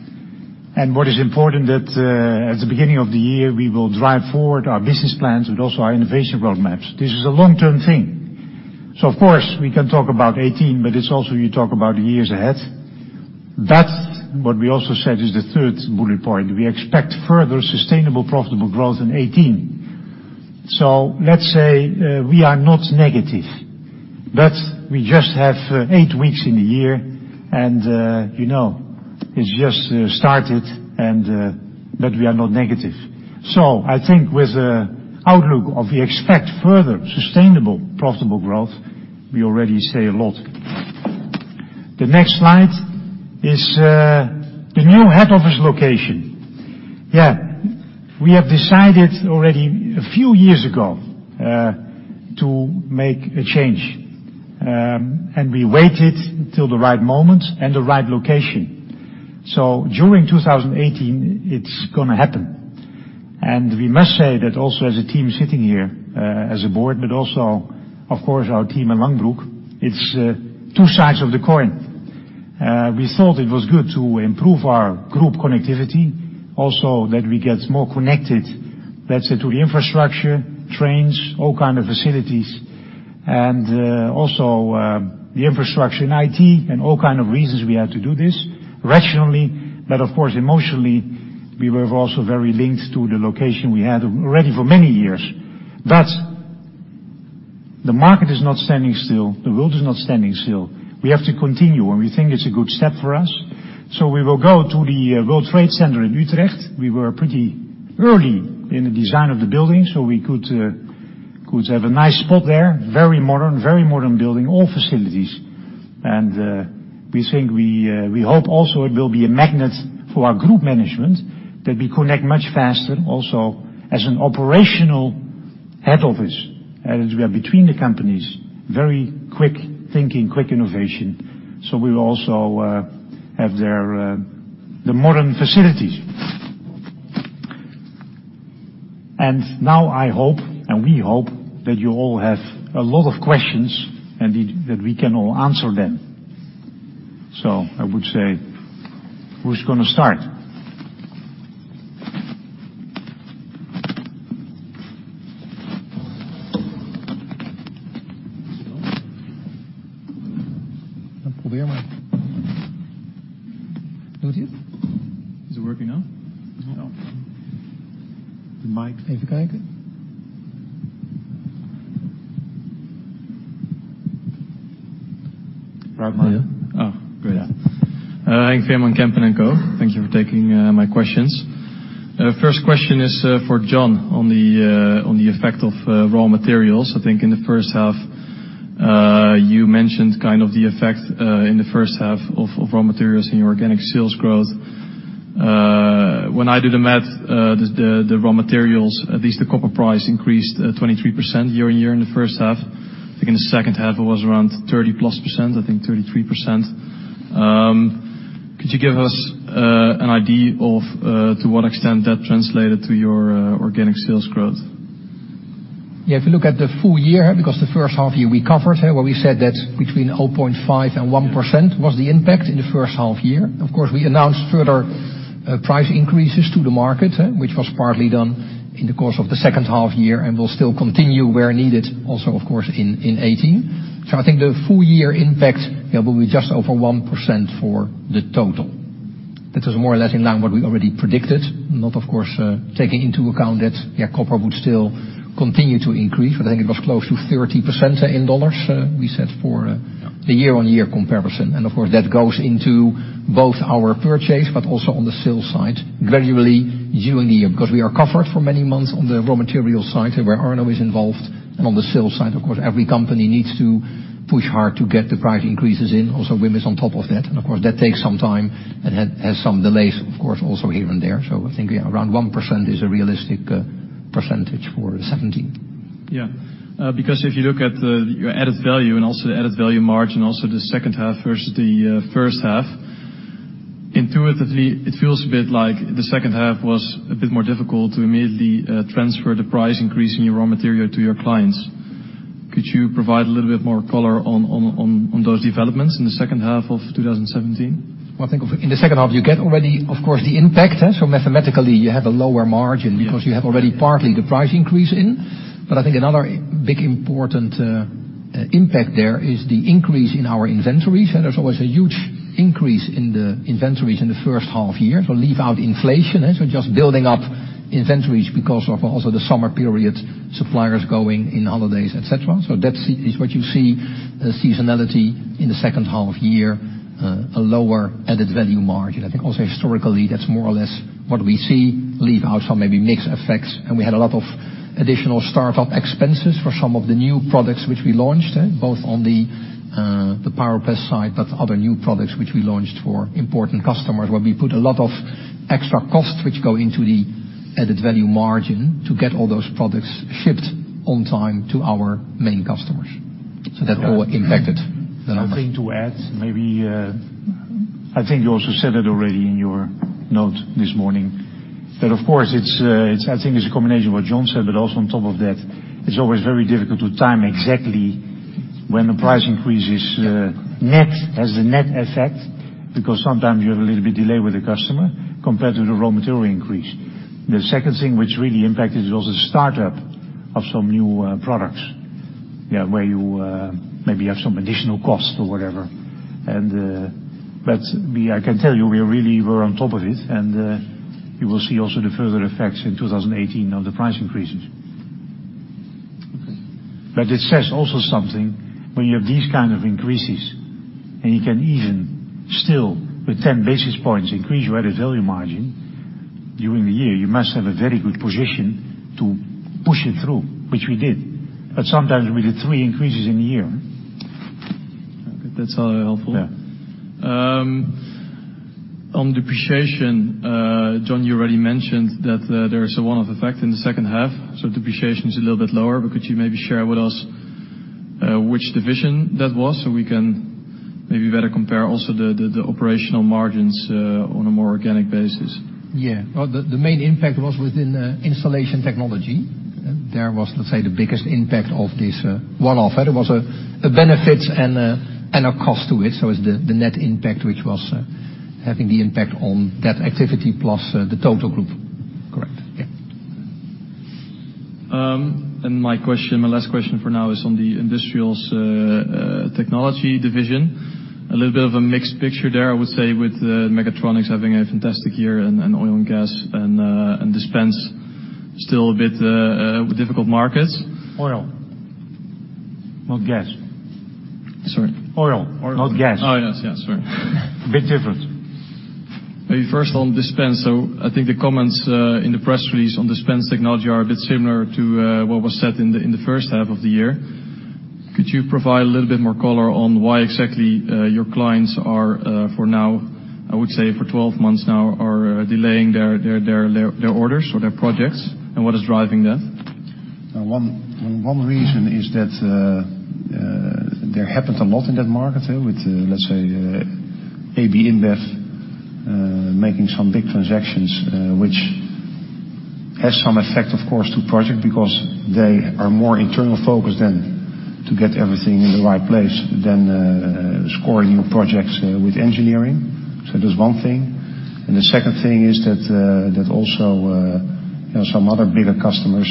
What is important that at the beginning of the year, we will drive forward our business plans and also our innovation roadmaps. This is a long-term thing. Of course, we can talk about 2018, but it's also you talk about years ahead. That's what we also said is the third bullet point. We expect further sustainable profitable growth in 2018. Let's say we are not negative, but we just have eight weeks in the year and it's just started, but we are not negative. I think with the outlook of we expect further sustainable profitable growth, we already say a lot. The next slide is the new head office location. We have decided already a few years ago to make a change, we waited till the right moment and the right location. During 2018, it's going to happen. We must say that also as a team sitting here as a board, but also of course our team in Langbroek, it's two sides of the coin. We thought it was good to improve our group connectivity, also that we get more connected, let's say, to the infrastructure, trains, all kind of facilities, and also the infrastructure in IT and all kind of reasons we had to do this rationally, but of course, emotionally, we were also very linked to the location we had already for many years. The market is not standing still. The world is not standing still. We have to continue, we think it's a good step for us. We will go to the World Trade Center in Utrecht. We were pretty early in the design of the building, we could have a nice spot there. Very modern building, all facilities. We hope also it will be a magnet for our group management that we connect much faster also as an operational head office, as we are between the companies, very quick thinking, quick innovation. We will also have the modern facilities. Now I hope, and we hope, that you all have a lot of questions and that we can all answer them. I would say, who's going to start? Is it working now? No. The mic. Oh, great. Henk Veerman, Kempen & Co. Thank you for taking my questions. First question is for John on the effect of raw materials. I think in the first half, you mentioned kind of the effect in the first half of raw materials in your organic sales growth. When I do the math, the raw materials, at least the copper price increased 23% year-on-year in the first half. I think in the second half it was around 30-plus %, I think 33%. Could you give us an idea of to what extent that translated to your organic sales growth? Yeah, if you look at the full year, because the first half year we covered, where we said that between 0.5 and 1% was the impact in the first half year. We announced further price increases to the market, which was partly done in the course of the second half year and will still continue where needed also, of course, in 2018. I think the full year impact will be just over 1% for the total. That is more or less in line what we already predicted, not of course, taking into account that copper would still continue to increase. I think it was close to 30% in EUR, we said for the year-on-year comparison. That goes into both our purchase, but also on the sales side gradually during the year. Because we are covered for many months on the raw material side where Arno is involved, and on the sales side, of course, every company needs to push hard to get the price increases in. Also Wim is on top of that. That takes some time and has some delays, of course, also here and there. I think around 1% is a realistic percentage for 2017. Yeah. If you look at your added value and also the added value margin, also the second half versus the first half, intuitively it feels a bit like the second half was a bit more difficult to immediately transfer the price increase in your raw material to your clients. Could you provide a little bit more color on those developments in the second half of 2017? I think in the second half, you get already, of course, the impact. Mathematically, you have a lower margin because you have already partly the price increase in. I think another big important impact there is the increase in our inventories. There's always a huge increase in the inventories in the first half year. Leave out inflation, just building up inventories because of also the summer period, suppliers going in holidays, et cetera. That is what you see, the seasonality in the second half year, a lower added value margin. I think also historically, that's more or less what we see. Leave out some maybe mix effects. We had a lot of additional startup expenses for some of the new products which we launched, both on the PowerPress side, but other new products which we launched for important customers, where we put a lot of extra costs which go into the added value margin to get all those products shipped on time to our main customers. That all impacted the numbers. Something to add, maybe. I think you also said it already in your note this morning, that of course, I think it's a combination of what John said, also on top of that, it's always very difficult to time exactly when the price increase has the net effect, because sometimes you have a little bit delay with the customer compared to the raw material increase. The second thing which really impacted was the startup of some new products, where you maybe have some additional costs or whatever. I can tell you, we really were on top of it, and you will see also the further effects in 2018 on the price increases. Okay. It says also something when you have these kind of increases, and you can even still with 10 basis points increase your added value margin during the year, you must have a very good position to push it through, which we did. Sometimes we did three increases in a year. That's helpful. Yeah. On depreciation, John, you already mentioned that there is a one-off effect in the second half, so depreciation is a little bit lower, but could you maybe share with us which division that was so we can maybe better compare also the operational margins on a more organic basis? The main impact was within the Installation Technology There was, let's say, the biggest impact of this one-off. There was a benefit and a cost to it. It's the net impact, which was having the impact on that activity, plus the total group. Correct. Yeah. My last question for now is on the Industrial Technology division. A little bit of a mixed picture there, I would say, with Mechatronics having a fantastic year in oil and gas, and Dispense still a bit difficult markets. Oil. Not gas. Sorry? Oil, not gas. Oh, yes, sorry. Big difference. Maybe first on dispense. I think the comments in the press release on dispense technology are a bit similar to what was said in the first half of the year. Could you provide a little bit more color on why exactly your clients are for now, I would say, for 12 months now, are delaying their orders or their projects, and what is driving that? One reason is that there happened a lot in that market with, let's say, AB InBev making some big transactions, which has some effect, of course, to project because they are more internal focused to get everything in the right place than scoring new projects with engineering. That's one thing. The second thing is that also some other bigger customers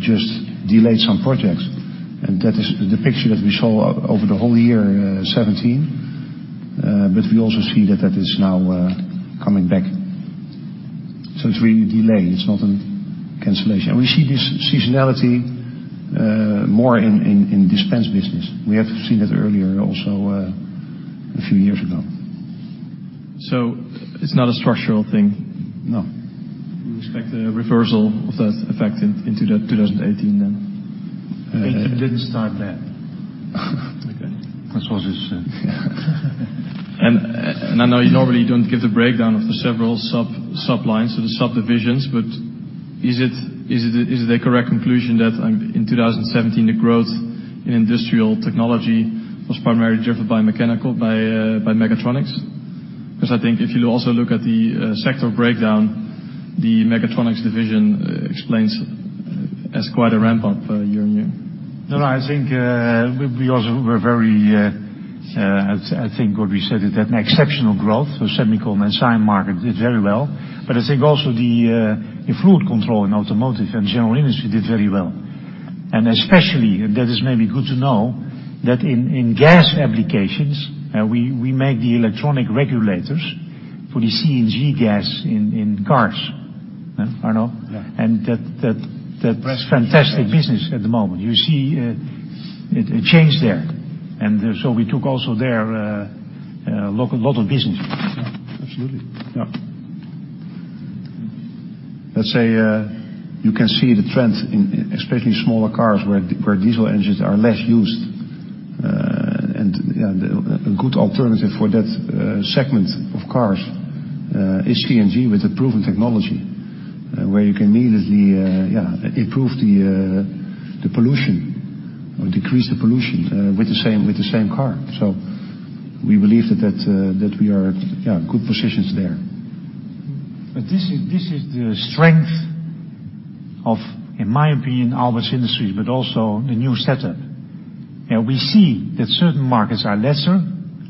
just delayed some projects. That is the picture that we saw over the whole year 2017. We also see that that is now coming back. It's really a delay. It's not a cancellation. We see this seasonality more in dispense business. We have seen that earlier also a few years ago. It's not a structural thing? No. You expect a reversal of that effect in 2018, then? It didn't start then. Okay. That's what he said. I know you normally don't give the breakdown of the several sub-lines or the sub-divisions, but is it a correct conclusion that in 2017, the growth in Industrial Technology was primarily driven by mechanical, by Mechatronics? Because I think if you also look at the sector breakdown, the Mechatronics division explains as quite a ramp-up year-on-year. I think we also were very, I think what we said is that exceptional growth for semiconductor and science market did very well. I think also the fluid control and automotive and general industry did very well. Especially, that is maybe good to know, that in gas applications, we make the electronic regulators for the CNG gas in cars. Arno? Yeah. That's fantastic business at the moment. You see a change there. We took also there a lot of business. Absolutely. Let's say you can see the trend in especially smaller cars where diesel engines are less used. A good alternative for that segment of cars is CNG with the proven technology, where you can immediately improve the pollution or decrease the pollution with the same car. We believe that we are in good positions there. This is the strength of, in my opinion, Aalberts Industries, but also the new setup. We see that certain markets are lesser,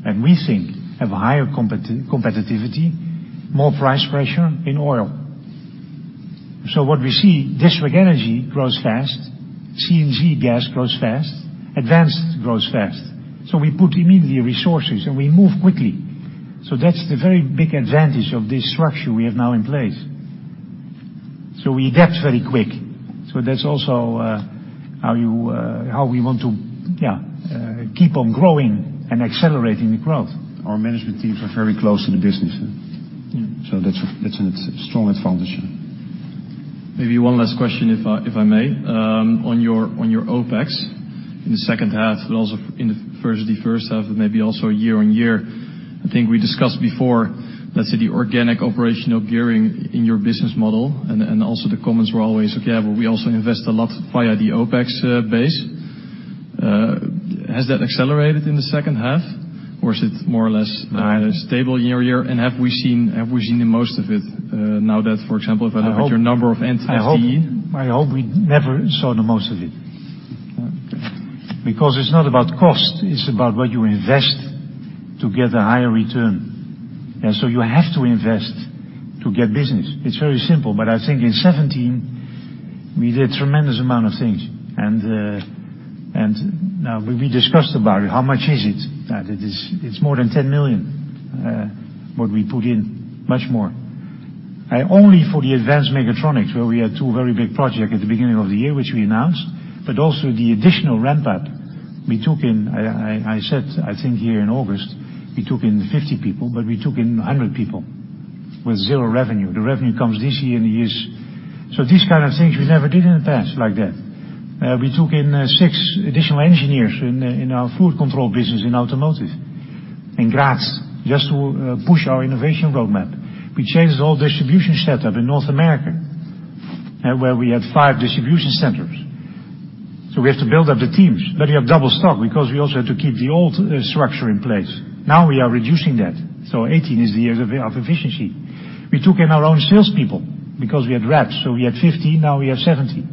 and we think have higher competitivity, more price pressure in oil. What we see, district energy grows fast, CNG gas grows fast, Advanced grows fast. We put immediately resources and we move quickly. That's the very big advantage of this structure we have now in place. We adapt very quick. That's also how we want to keep on growing and accelerating the growth. Our management teams are very close to the business. That's a strong advantage. Maybe one last question, if I may. On your OpEx in the second half, also in the first half, maybe also year-on-year, I think we discussed before, let's say, the organic operational gearing in your business model, the comments were always, "Okay, yeah, we also invest a lot via the OpEx base." Has that accelerated in the second half or is it more or less stable year-on-year? Have we seen the most of it? Now that, for example, if I look at your number of FTE- I hope we never saw the most of it. It's not about cost, it's about what you invest to get a higher return. You have to invest to get business. It's very simple. I think in 2017, we did a tremendous amount of things. Now we discussed about it. How much is it? It's more than 10 million, what we put in, much more. Only for the advanced mechatronics, where we had two very big project at the beginning of the year, which we announced, the additional ramp-up we took in, I said, I think here in August, we took in 50 people, we took in 100 people with zero revenue. The revenue comes this year and years. This kind of things we never did in the past like that. We took in six additional engineers in our fluid control business in automotive, in Graz, just to push our innovation roadmap. We changed the whole distribution setup in North America, where we had five distribution centers We have to build up the teams, we have double stock, we also have to keep the old structure in place. Now we are reducing that. 2018 is the year of efficiency. We took in our own salespeople, we had reps. We had 15, now we have 70.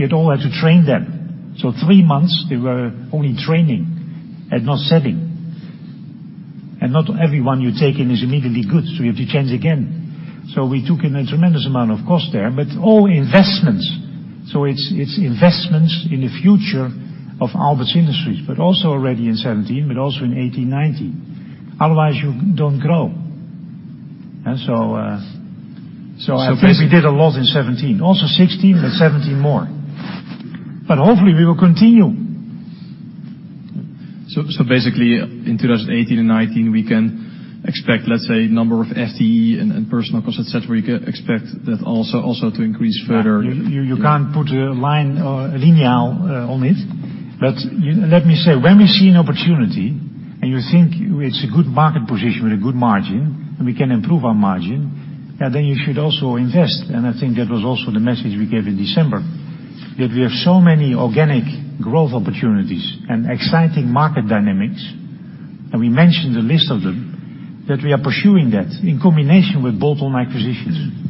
We had all had to train them. Three months they were only training and not selling. Not everyone you take in is immediately good, you have to change again. We took in a tremendous amount of cost there, all investments. It's investments in the future of Aalberts Industries, already in 2017, in 2018, 2019. Otherwise you don't grow. I think we did a lot in 2017, also 2016, 2017 more. Hopefully we will continue. Basically in 2018 and 2019 we can expect, let's say, number of FTE and personal cost, et cetera, you can expect that also to increase further? You can't put a line linear on it. Let me say, when we see an opportunity and you think it's a good market position with a good margin, and we can improve our margin, then you should also invest. I think that was also the message we gave in December, that we have so many organic growth opportunities and exciting market dynamics, and we mentioned a list of them, that we are pursuing that in combination with bolt-on acquisitions.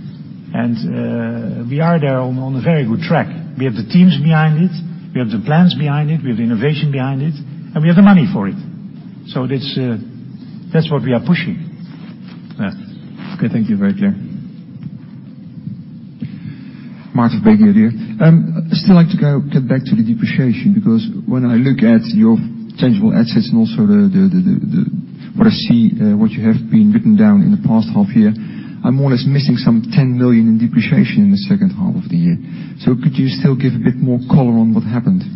We are there on a very good track. We have the teams behind it, we have the plans behind it, we have innovation behind it, and we have the money for it. That's what we are pushing. Okay. Thank you. Very clear. Martijn Bagha here. I'd still like to go get back to the depreciation, because when I look at your tangible assets and also what I see what you have been written down in the past half year, I'm more or less missing some 10 million in depreciation in the second half of the year. Could you still give a bit more color on what happened?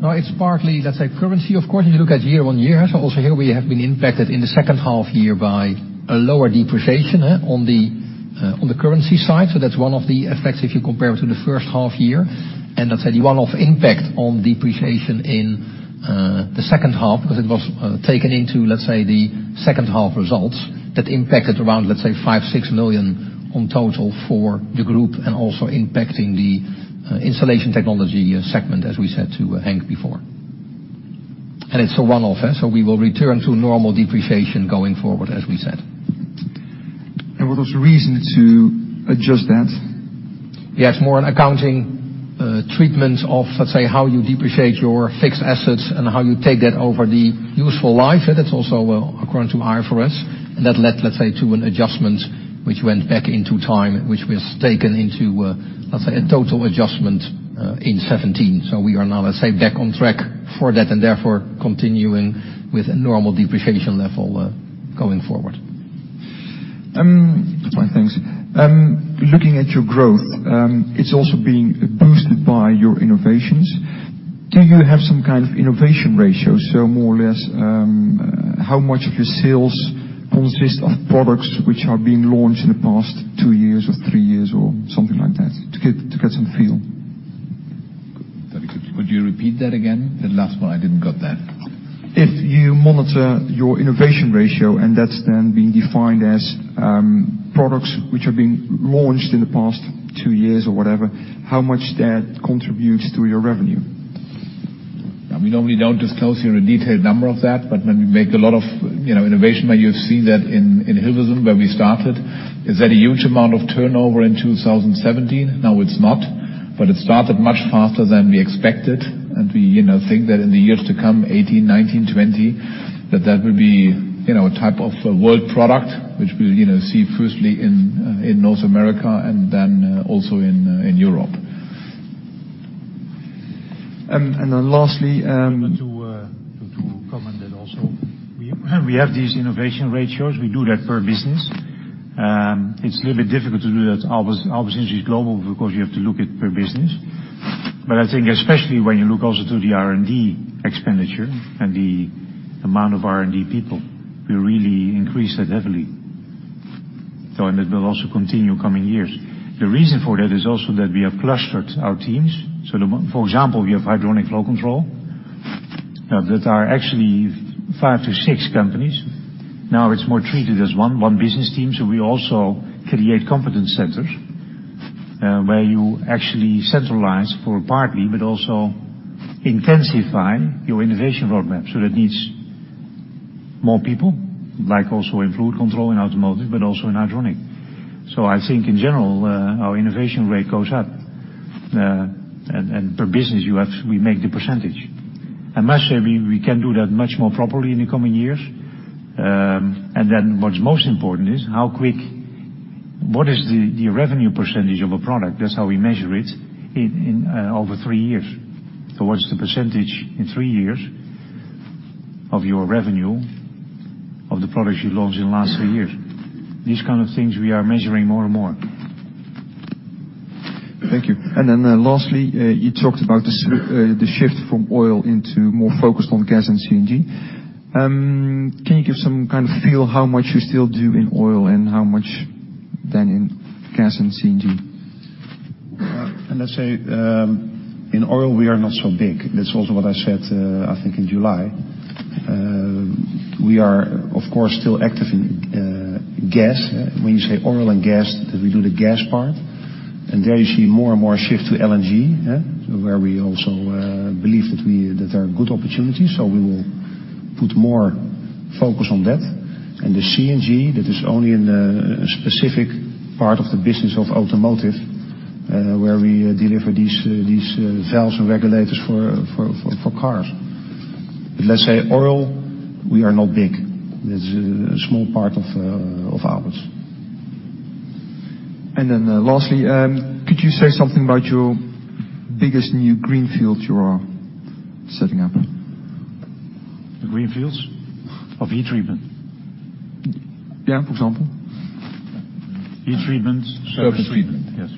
No, it's partly currency, of course. If you look at year-on-year. Also here we have been impacted in the second half by a lower depreciation on the currency side. That's one of the effects if you compare to the first half, and the one-off impact on depreciation in the second half, because it was taken into the second half results that impacted around 5 million-6 million on total for the group and also impacting the installation technology segment, as we said to Henk before. It's a one-off, so we will return to normal depreciation going forward, as we said. Was there a reason to adjust that? Yes, more an accounting treatment of how you depreciate your fixed assets and how you take that over the useful life. That's also according to IFRS. That led to an adjustment which went back into time, which was taken into a total adjustment in 2017. We are now back on track for that and therefore continuing with a normal depreciation level going forward. Fine, thanks. Looking at your growth, it's also being boosted by your innovations. Do you have some kind of innovation ratio, more or less how much of your sales consist of products which are being launched in the past two years or three years or something like that, to get some feel? Very good. Could you repeat that again, the last one? I didn't got that. If you monitor your innovation ratio, and that's then being defined as products which have been launched in the past two years or whatever, how much that contributes to your revenue. We normally don't disclose here a detailed number of that, but when we make a lot of innovation, where you have seen that in Hilversum, where we started, is at a huge amount of turnover in 2017. Now it's not, but it started much faster than we expected. We think that in the years to come, 2018, 2019, 2020, that that will be a type of world product which we'll see firstly in North America and then also in Europe. Lastly. To comment that also, we have these innovation ratios. We do that per business. It's a little bit difficult to do that. Aalberts Industries is global because you have to look at per business. I think especially when you look also to the R&D expenditure and the amount of R&D people, we really increased that heavily. That will also continue coming years. The reason for that is also that we have clustered our teams. For example, we have hydronic flow control that are actually five to six companies. Now it's more treated as one business team. We also create competence centers, where you actually centralize for partly but also intensify your innovation roadmap. That needs more people, like also in fluid control and automotive, but also in hydronic. I think in general, our innovation rate goes up, and per business we make the percentage. Actually, we can do that much more properly in the coming years. What's most important is how quick, what is the revenue percentage of a product? That's how we measure it over three years. What's the percentage in three years of your revenue of the products you launched in last three years? These kind of things we are measuring more and more. Thank you. Lastly, you talked about the shift from oil into more focus on gas and CNG. Can you give some kind of feel how much you still do in oil and how much then in gas and CNG? Let's say, in oil, we are not so big. That's also what I said, I think in July. We are, of course, still active in gas. When you say oil and gas, we do the gas part, there you see more and more shift to LNG, where we also believe that there are good opportunities. We will put more focus on that. The CNG, that is only in a specific part of the business of automotive, where we deliver these valves and regulators for cars. Let's say oil, we are not big. That is a small part of Aalberts. Lastly, could you say something about your biggest new greenfields you are setting up? The greenfields? Of heat treatment? Yeah, for example. Heat treatment. Surface treatment. Yes.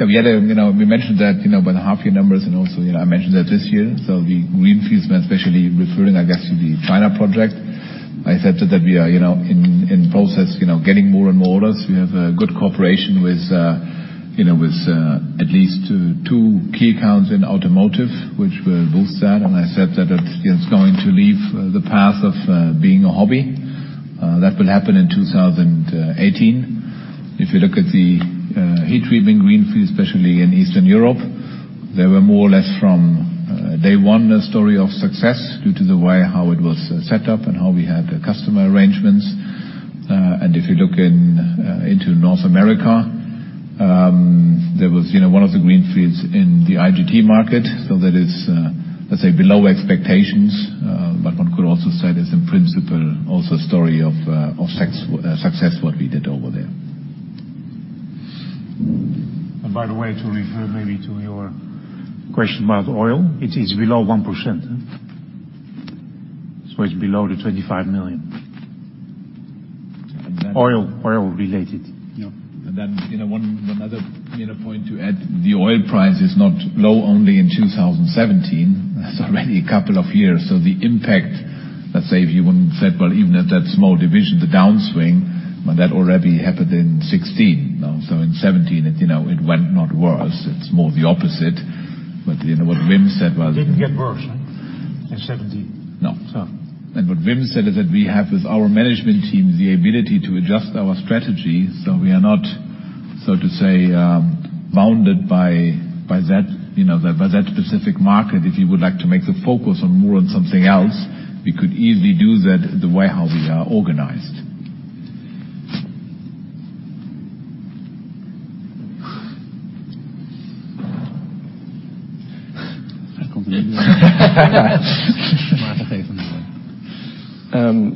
We mentioned that with the half year numbers and also I mentioned that this year. The greenfields, especially referring, I guess, to the China project. I said that we are in process, getting more and more orders. We have a good cooperation with at least two key accounts in automotive, which were both said, and I said that it's going to leave the path of being a hobby. That will happen in 2018. If you look at the heat treatment greenfield, especially in Eastern Europe, they were more or less from day one, a story of success due to the way how it was set up and how we had the customer arrangements. If you look into North America, there was one of the greenfields in the IGT market, so that is, let's say, below expectations. One could also say that's in principle also a story of success, what we did over there. By the way, to refer maybe to your question about oil, it is below 1%. It's below EUR 25 million. Oil-related. Yeah. One other point to add, the oil price is not low only in 2017. That's already a couple of years. The impact, let's say if you wouldn't said, well, even at that small division, the downswing, but that already happened in 2016. In 2017, it went not worse. It's more the opposite. What Wim said was. It didn't get worse in 2017. No. So. What Wim said is that we have with our management team the ability to adjust our strategy, we are not, so to say, bounded by that specific market. If you would like to make the focus on more on something else, we could easily do that the way how we are organized.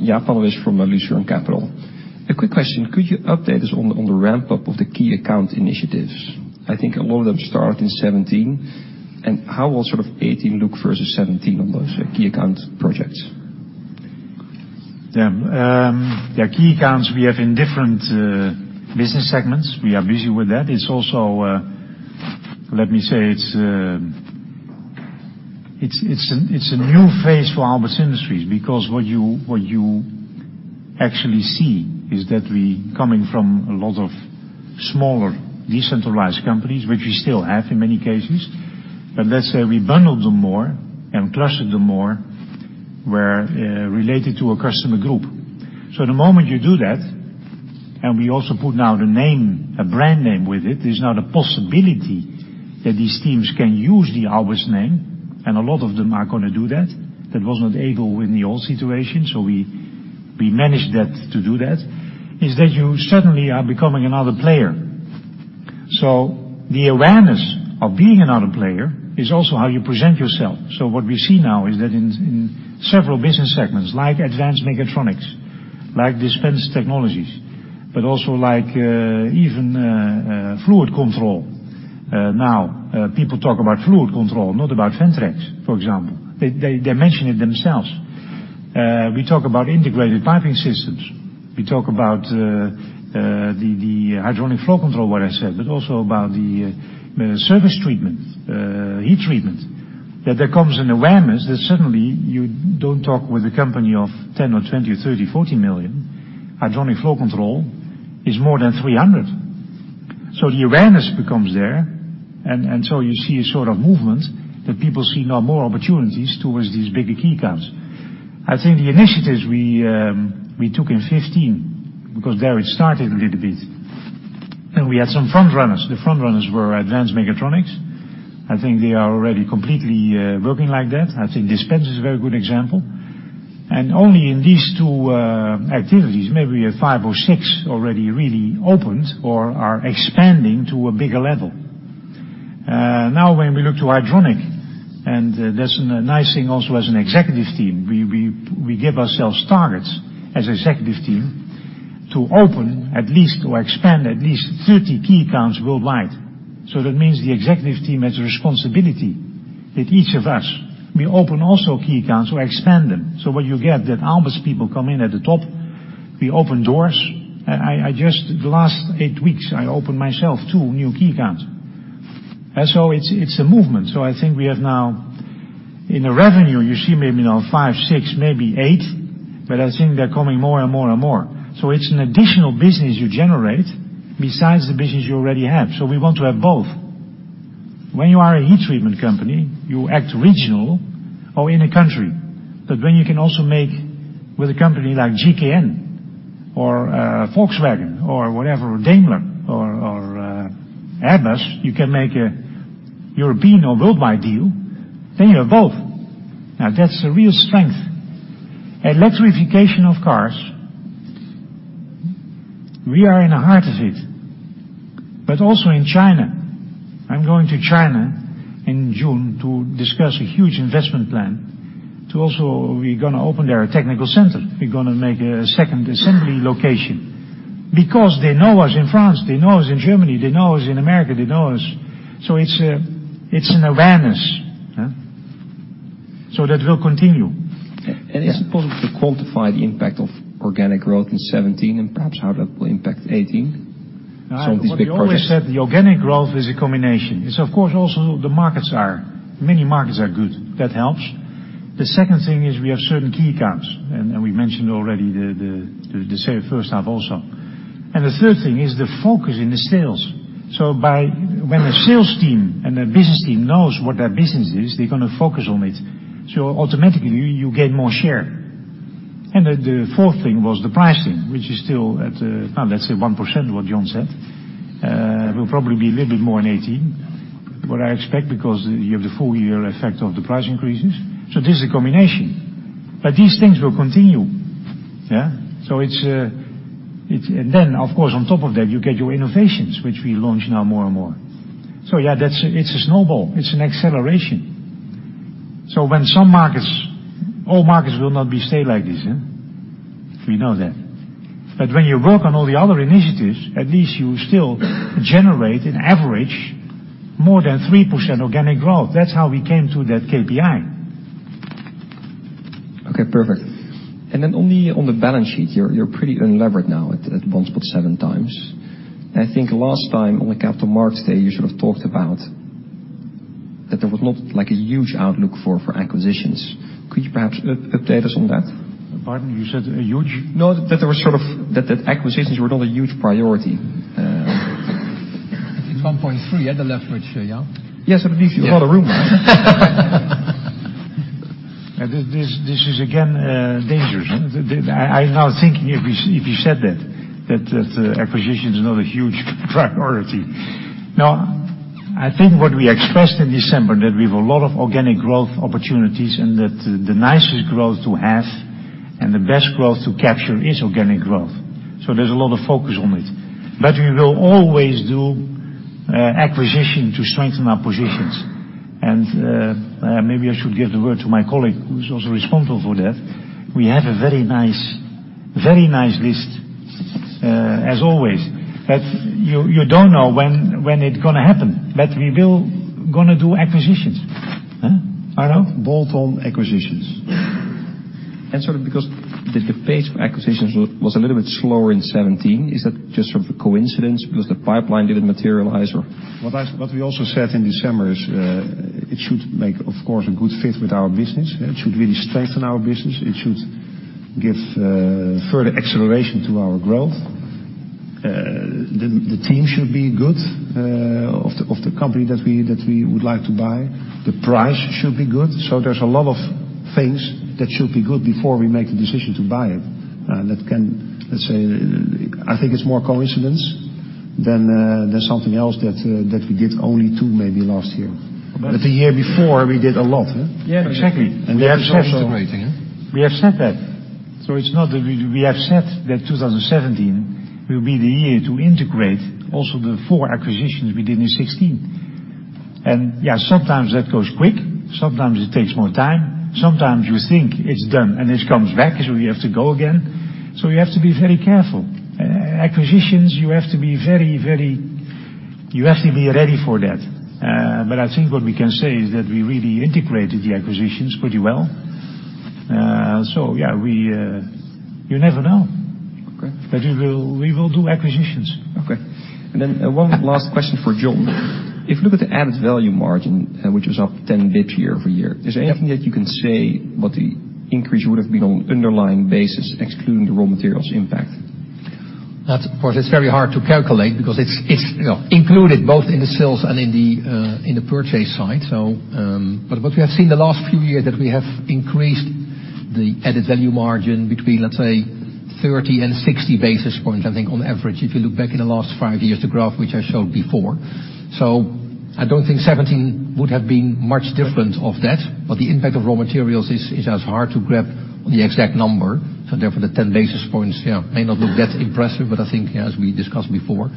[Jaap van West from Lazard Capital]. A quick question. Could you update us on the ramp-up of the key account initiatives? I think a lot of them start in 2017. How will sort of 2018 look versus 2017 on those key account projects? Yeah. Key accounts we have in different business segments. We are busy with that. It's also, let me say, it's a new phase for Aalberts Industries because what you actually see is that we coming from a lot of smaller decentralized companies, which we still have in many cases. Let's say we bundled them more and clustered them more where related to a customer group. The moment you do that, and we also put now the name, a brand name with it, there's now the possibility that these teams can use the Aalberts name, and a lot of them are going to do that. That was not able in the old situation, so we managed that to do that, is that you suddenly are becoming another player. The awareness of being another player is also how you present yourself. What we see now is that in several business segments, like Advanced Mechatronics, like Dispense Technologies, but also like even Fluid Control. People talk about Fluid Control, not about VENTREX, for example. They mention it themselves. We talk about Integrated Piping Systems. We talk about the Hydronic Flow Control, what I said, but also about the Surface Treatment, Heat Treatment. There comes an awareness that suddenly you don't talk with a company of 10 million or 20 million or 30 million, 40 million. Hydronic Flow Control is more than 300 million. The awareness becomes there, and you see a sort of movement that people see now more opportunities towards these bigger key accounts. I think the initiatives we took in 2015, because there it started a little bit, and we had some front runners. The front runners were Advanced Mechatronics. I think they are already completely working like that. I think Dispense is a very good example. Only in these two activities, maybe five or six already really opened or are expanding to a bigger level. When we look to Hydronic, and that's a nice thing also as an Executive Team, we give ourselves targets as Executive Team to open at least or expand at least 30 key accounts worldwide. That means the Executive Team has a responsibility that each of us, we open also key accounts or expand them. What you get that Aalberts people come in at the top, we open doors. I just the last eight weeks, I opened myself two new key accounts. It's a movement. I think we have now in the revenue, you see maybe now five, six, maybe eight, but I think they're coming more and more. It's an additional business you generate besides the business you already have. We want to have both. When you are a heat treatment company, you act regional or in a country. When you can also make with a company like GKN or Volkswagen or whatever, Daimler or Airbus, you can make a European or worldwide deal, then you have both. That's a real strength. Electrification of cars, we are in the heart of it, but also in China. I'm going to China in June to discuss a huge investment plan. Also, we're going to open their technical center. We're going to make a second assembly location because they know us in France, they know us in Germany, they know us in America, they know us. It's an awareness. That will continue. Is it possible to quantify the impact of organic growth in 2017 and perhaps how that will impact 2018? Some of these big projects. We always said the organic growth is a combination. It's, of course, also many markets are good. That helps. The second thing is we have certain key accounts, and we mentioned already the first half also. The third thing is the focus in the sales. When a sales team and a business team knows what their business is, they're going to focus on it. Automatically, you gain more share. The fourth thing was the pricing, which is still at, let's say, 1%, what John said. Will probably be a little bit more in 2018, what I expect, because you have the full year effect of the price increases. This is a combination. These things will continue. Then, of course, on top of that, you get your innovations, which we launch now more and more. Yeah, it's a snowball, it's an acceleration. When some markets, all markets will not stay like this. We know that. But when you work on all the other initiatives, at least you still generate an average more than 3% organic growth. That's how we came to that KPI. Okay, perfect. Then on the balance sheet, you're pretty unlevered now at 1.7 times. I think last time on the Capital Markets Day, you sort of talked about that there was not a huge outlook for acquisitions. Could you perhaps update us on that? Pardon? You said a huge? No, that acquisitions were not a huge priority. It's 1.3, the leverage, [Jaan]. Yes, it leaves you a lot of room. This is again, dangerous. I'm now thinking if you said that acquisition is not a huge priority. No, I think what we expressed in December, that we have a lot of organic growth opportunities and that the nicest growth to have and the best growth to capture is organic growth. There's a lot of focus on it. We will always do acquisition to strengthen our positions. Maybe I should give the word to my colleague who's also responsible for that. We have a very nice list, as always. You don't know when it's going to happen. We will going to do acquisitions. Arno? Bolt-on acquisitions. Sort of because the pace of acquisitions was a little bit slower in 2017, is that just sort of a coincidence because the pipeline didn't materialize or? What we also said in December is it should make, of course, a good fit with our business. It should really strengthen our business. It should give further acceleration to our growth. The team should be good of the company that we would like to buy. The price should be good. There's a lot of things that should be good before we make the decision to buy it. Let's say, I think it's more coincidence than there's something else that we did only two, maybe, last year. The year before, we did a lot. Yeah, exactly. We have said that. It's not that we have said that 2017 will be the year to integrate also the four acquisitions we did in 2016. Yeah, sometimes that goes quick, sometimes it takes more time. Sometimes you think it's done and it comes back, you have to go again. You have to be very careful. Acquisitions, you have to be ready for that. I think what we can say is that we really integrated the acquisitions pretty well. Yeah, you never know. Okay. We will do acquisitions. Okay. One last question for John. If you look at the added value margin, which was up 10 basis points year-over-year, is there anything that you can say what the increase would have been on an underlying basis excluding the raw materials impact? That, of course, is very hard to calculate because it's included both in the sales and in the purchase side. What we have seen the last few years is that we have increased the added value margin between, let's say, 30 and 60 basis points, I think on average, if you look back in the last five years, the graph which I showed before. I don't think 2017 would have been much different of that. The impact of raw materials is as hard to grab on the exact number. Therefore, the 10 basis points may not look that impressive, but I think as we discussed before,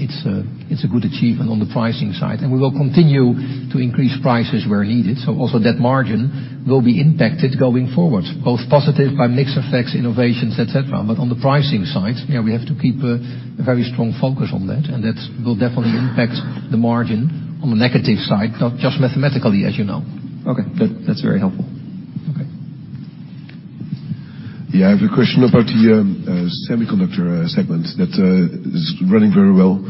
it's a good achievement on the pricing side. We will continue to increase prices where needed. Also that margin will be impacted going forward, both positive by mix effects, innovations, et cetera. On the pricing side, we have to keep a very strong focus on that, and that will definitely impact the margin on the negative side, not just mathematically, as you know. Okay. That's very helpful. Okay. I have a question about the semiconductor segment that is running very well.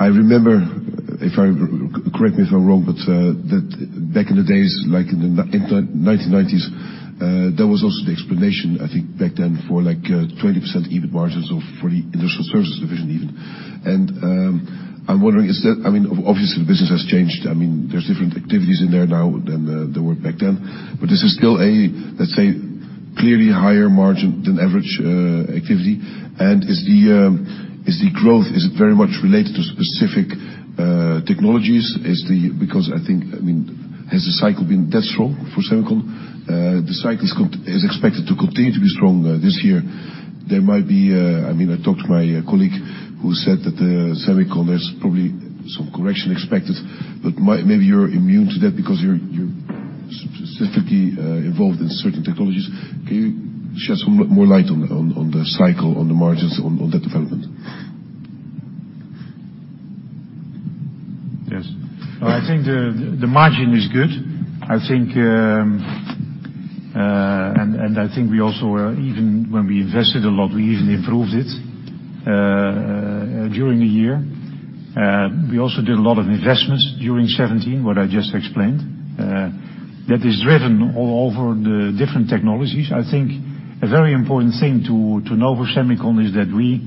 I remember, correct me if I'm wrong, but back in the days, like in the 1990s, there was also the explanation, I think back then, for 20% EBIT margins for the industrial services division even. I'm wondering, obviously, the business has changed. There's different activities in there now than there were back then, but this is still a, let's say, clearly higher margin than average activity. Is the growth, is it very much related to specific technologies? Because I think, has the cycle been that strong for semicon? The cycle is expected to continue to be strong this year. I talked to my colleague who said that the semicon, there's probably some correction expected. Maybe you're immune to that because you're specifically involved in certain technologies. Can you shed some more light on the cycle, on the margins, on that development? Yes. I think the margin is good. I think we also, even when we invested a lot, we even improved it during the year. We also did a lot of investments during 2017, what I just explained. That is driven all over the different technologies. I think a very important thing to know for semicon is that we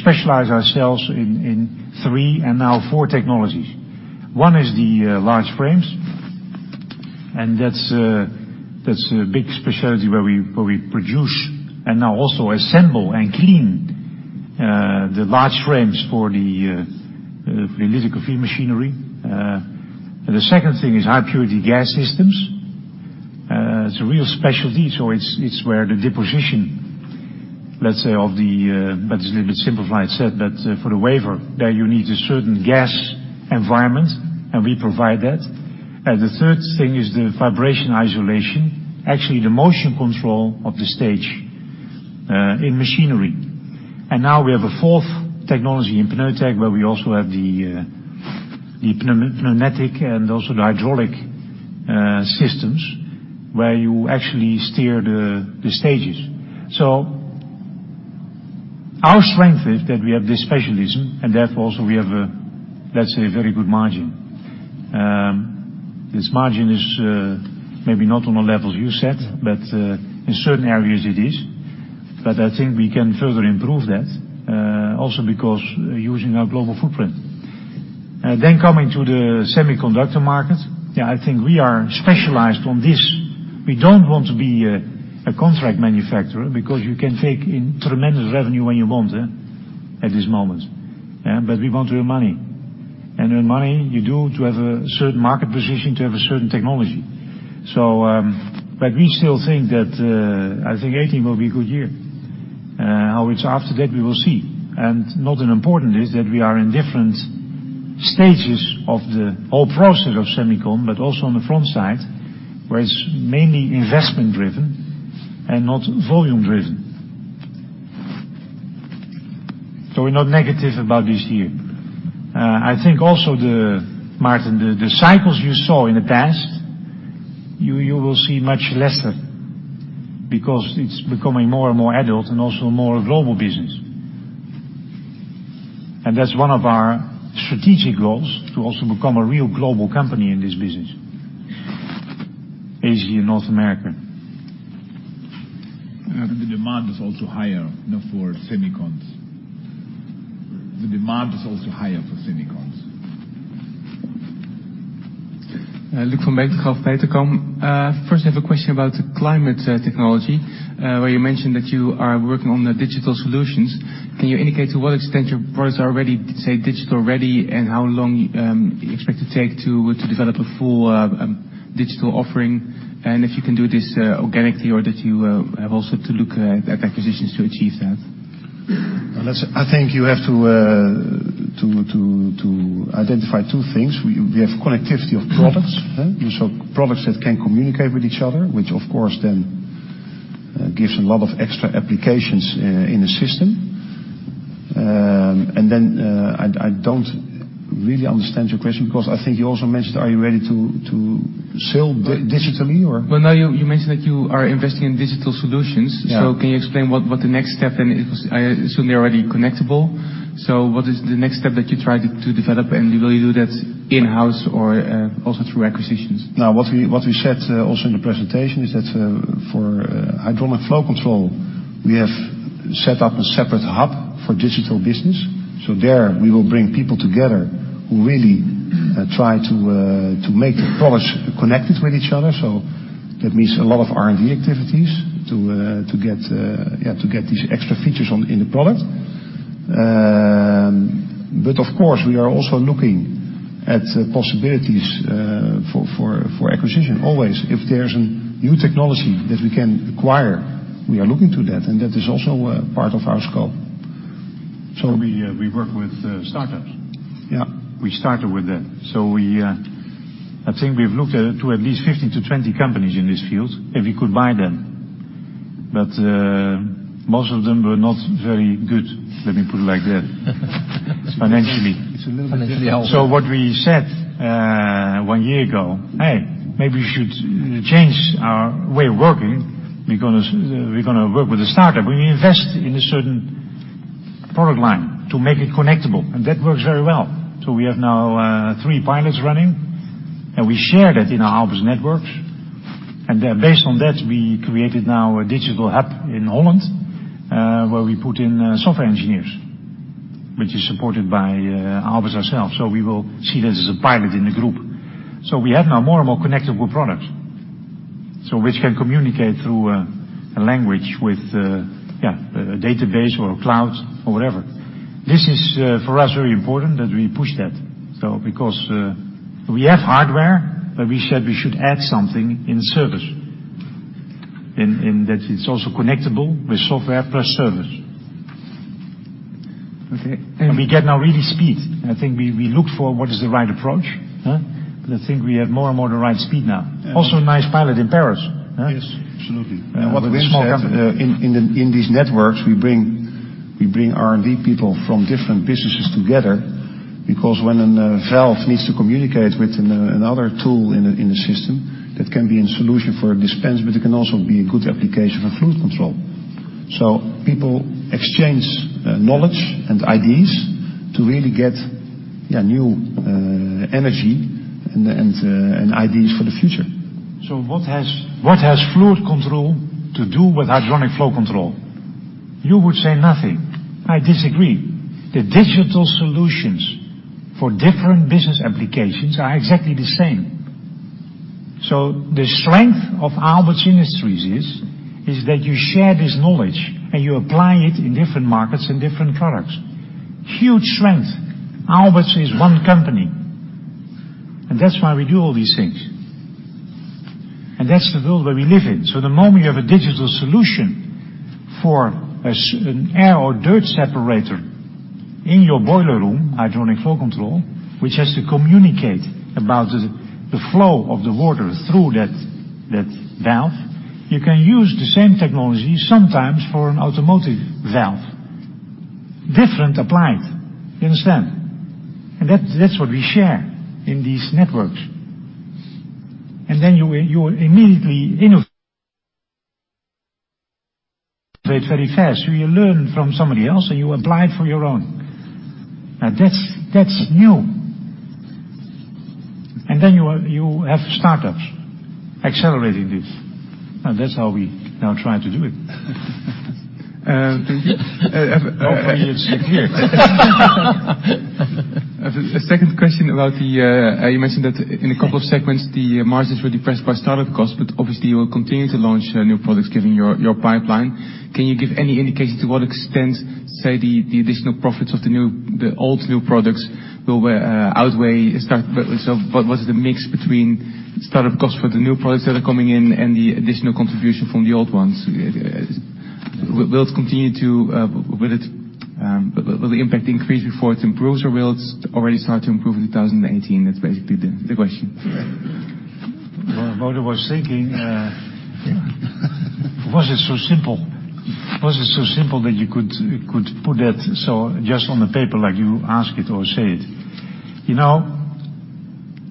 specialize ourselves in three and now four technologies. One is the large frames, and that's a big specialty where we produce and now also assemble and clean the large frames for the lithography machinery. The second thing is high-purity gas systems. It's a real specialty, so it's where the deposition, it's a little bit simplified said, for the wafer, there you need a certain gas environment, and we provide that. The third thing is the vibration isolation, actually the motion control of the stage in machinery. Now we have a fourth technology in PNEUTEC, where we also have the pneumatic and also the hydraulic systems where you actually steer the stages. Our strength is that we have this specialism, and therefore, also we have, let's say, very good margin. This margin is maybe not on the levels you set. Yeah In certain areas it is. I think we can further improve that, also because using our global footprint. Coming to the semiconductor market. I think we are specialized on this. We don't want to be a contract manufacturer because you can take in tremendous revenue when you want, at this moment. We want real money. Real money, you do to have a certain market position, to have a certain technology. We still think that, I think 2018 will be a good year. How it's after that, we will see. Not unimportant is that we are in different stages of the whole process of semicon, but also on the front side, where it's mainly investment driven and not volume driven. We're not negative about this year. I think also the, Maarten, the cycles you saw in the past, you will see much lesser because it's becoming more and more adult and also more a global business. That's one of our strategic goals, to also become a real global company in this business. Asia, North America. The demand is also higher now for semicon. The demand is also higher for semicon. Luuk van Beek of Petercam. First, I have a question about the Climate Technology, where you mentioned that you are working on the digital solutions. Can you indicate to what extent your products are already, say, digital ready, and how long you expect it take to develop a full digital offering? If you can do this organically or that you have also to look at acquisitions to achieve that. I think you have to identify two things. We have connectivity of products. Products that can communicate with each other, which of course then gives a lot of extra applications in the system. Then, I don't really understand your question because I think you also mentioned, are you ready to sell digitally or? Well, no, you mentioned that you are investing in digital solutions. Yeah. Can you explain what the next step, and it was, I assume they're already connectable. What is the next step that you try to develop, and will you do that in-house or also through acquisitions? What we said also in the presentation is that for hydronic flow control, we have set up a separate hub for digital business. There we will bring people together who really try to make the products connected with each other. That means a lot of R&D activities to get these extra features in the product. Of course, we are also looking at possibilities for acquisition, always. If there's a new technology that we can acquire, we are looking to that, and that is also part of our scope. We work with startups. Yeah. We started with that. I think we've looked at to at least 15 to 20 companies in this field, if we could buy them. Most of them were not very good, let me put it like that. Financially. It's a little bit different. What we said one year ago, "Hey, maybe we should change our way of working. We're going to work with a startup." We invest in a certain Product line to make it connectable, and that works very well. We have now three pilots running, and we share that in our Aalberts networks. Based on that, we created now a digital hub in Holland, where we put in software engineers, which is supported by Aalberts ourselves. We will see this as a pilot in the group. We have now more and more connectable products, which can communicate through a language with a database or a cloud or whatever. This is, for us, very important that we push that. We have hardware, but we said we should add something in service, in that it's also connectable with software plus service. Okay. We get now really speed. I think we look for what is the right approach. I think we have more and more the right speed now. Also nice pilot in Paris. Yes, absolutely. What we said- In these networks, we bring R&D people from different businesses together, because when a valve needs to communicate with another tool in the system, that can be a solution for a dispense, but it can also be a good application for fluid control. People exchange knowledge and ideas to really get new energy and ideas for the future. What has fluid control to do with hydronic flow control? You would say nothing. I disagree. The digital solutions for different business applications are exactly the same. The strength of Aalberts Industries is that you share this knowledge and you apply it in different markets and different products. Huge strength. Aalberts is one company, and that's why we do all these things. That's the world that we live in. The moment you have a digital solution for an air or dirt separator in your boiler room, hydronic flow control, which has to communicate about the flow of the water through that valve, you can use the same technology sometimes for an automotive valve. Different applied. You understand? That's what we share in these networks. Then you immediately innovate very fast. You learn from somebody else, and you apply it for your own. Now that's new. Then you have startups accelerating this, and that's how we now try to do it. Hopefully it's clear. A second question about the, you mentioned that in a couple of segments, the margins were depressed by startup costs. Obviously you will continue to launch new products given your pipeline. Can you give any indication to what extent, say, the additional profits of the old/new products? What is the mix between startup costs for the new products that are coming in and the additional contribution from the old ones? Will the impact increase before it improves, or will it already start to improve in 2018? That's basically the question. What I was thinking. Was it so simple? Was it so simple that you could put that just on the paper like you ask it or say it?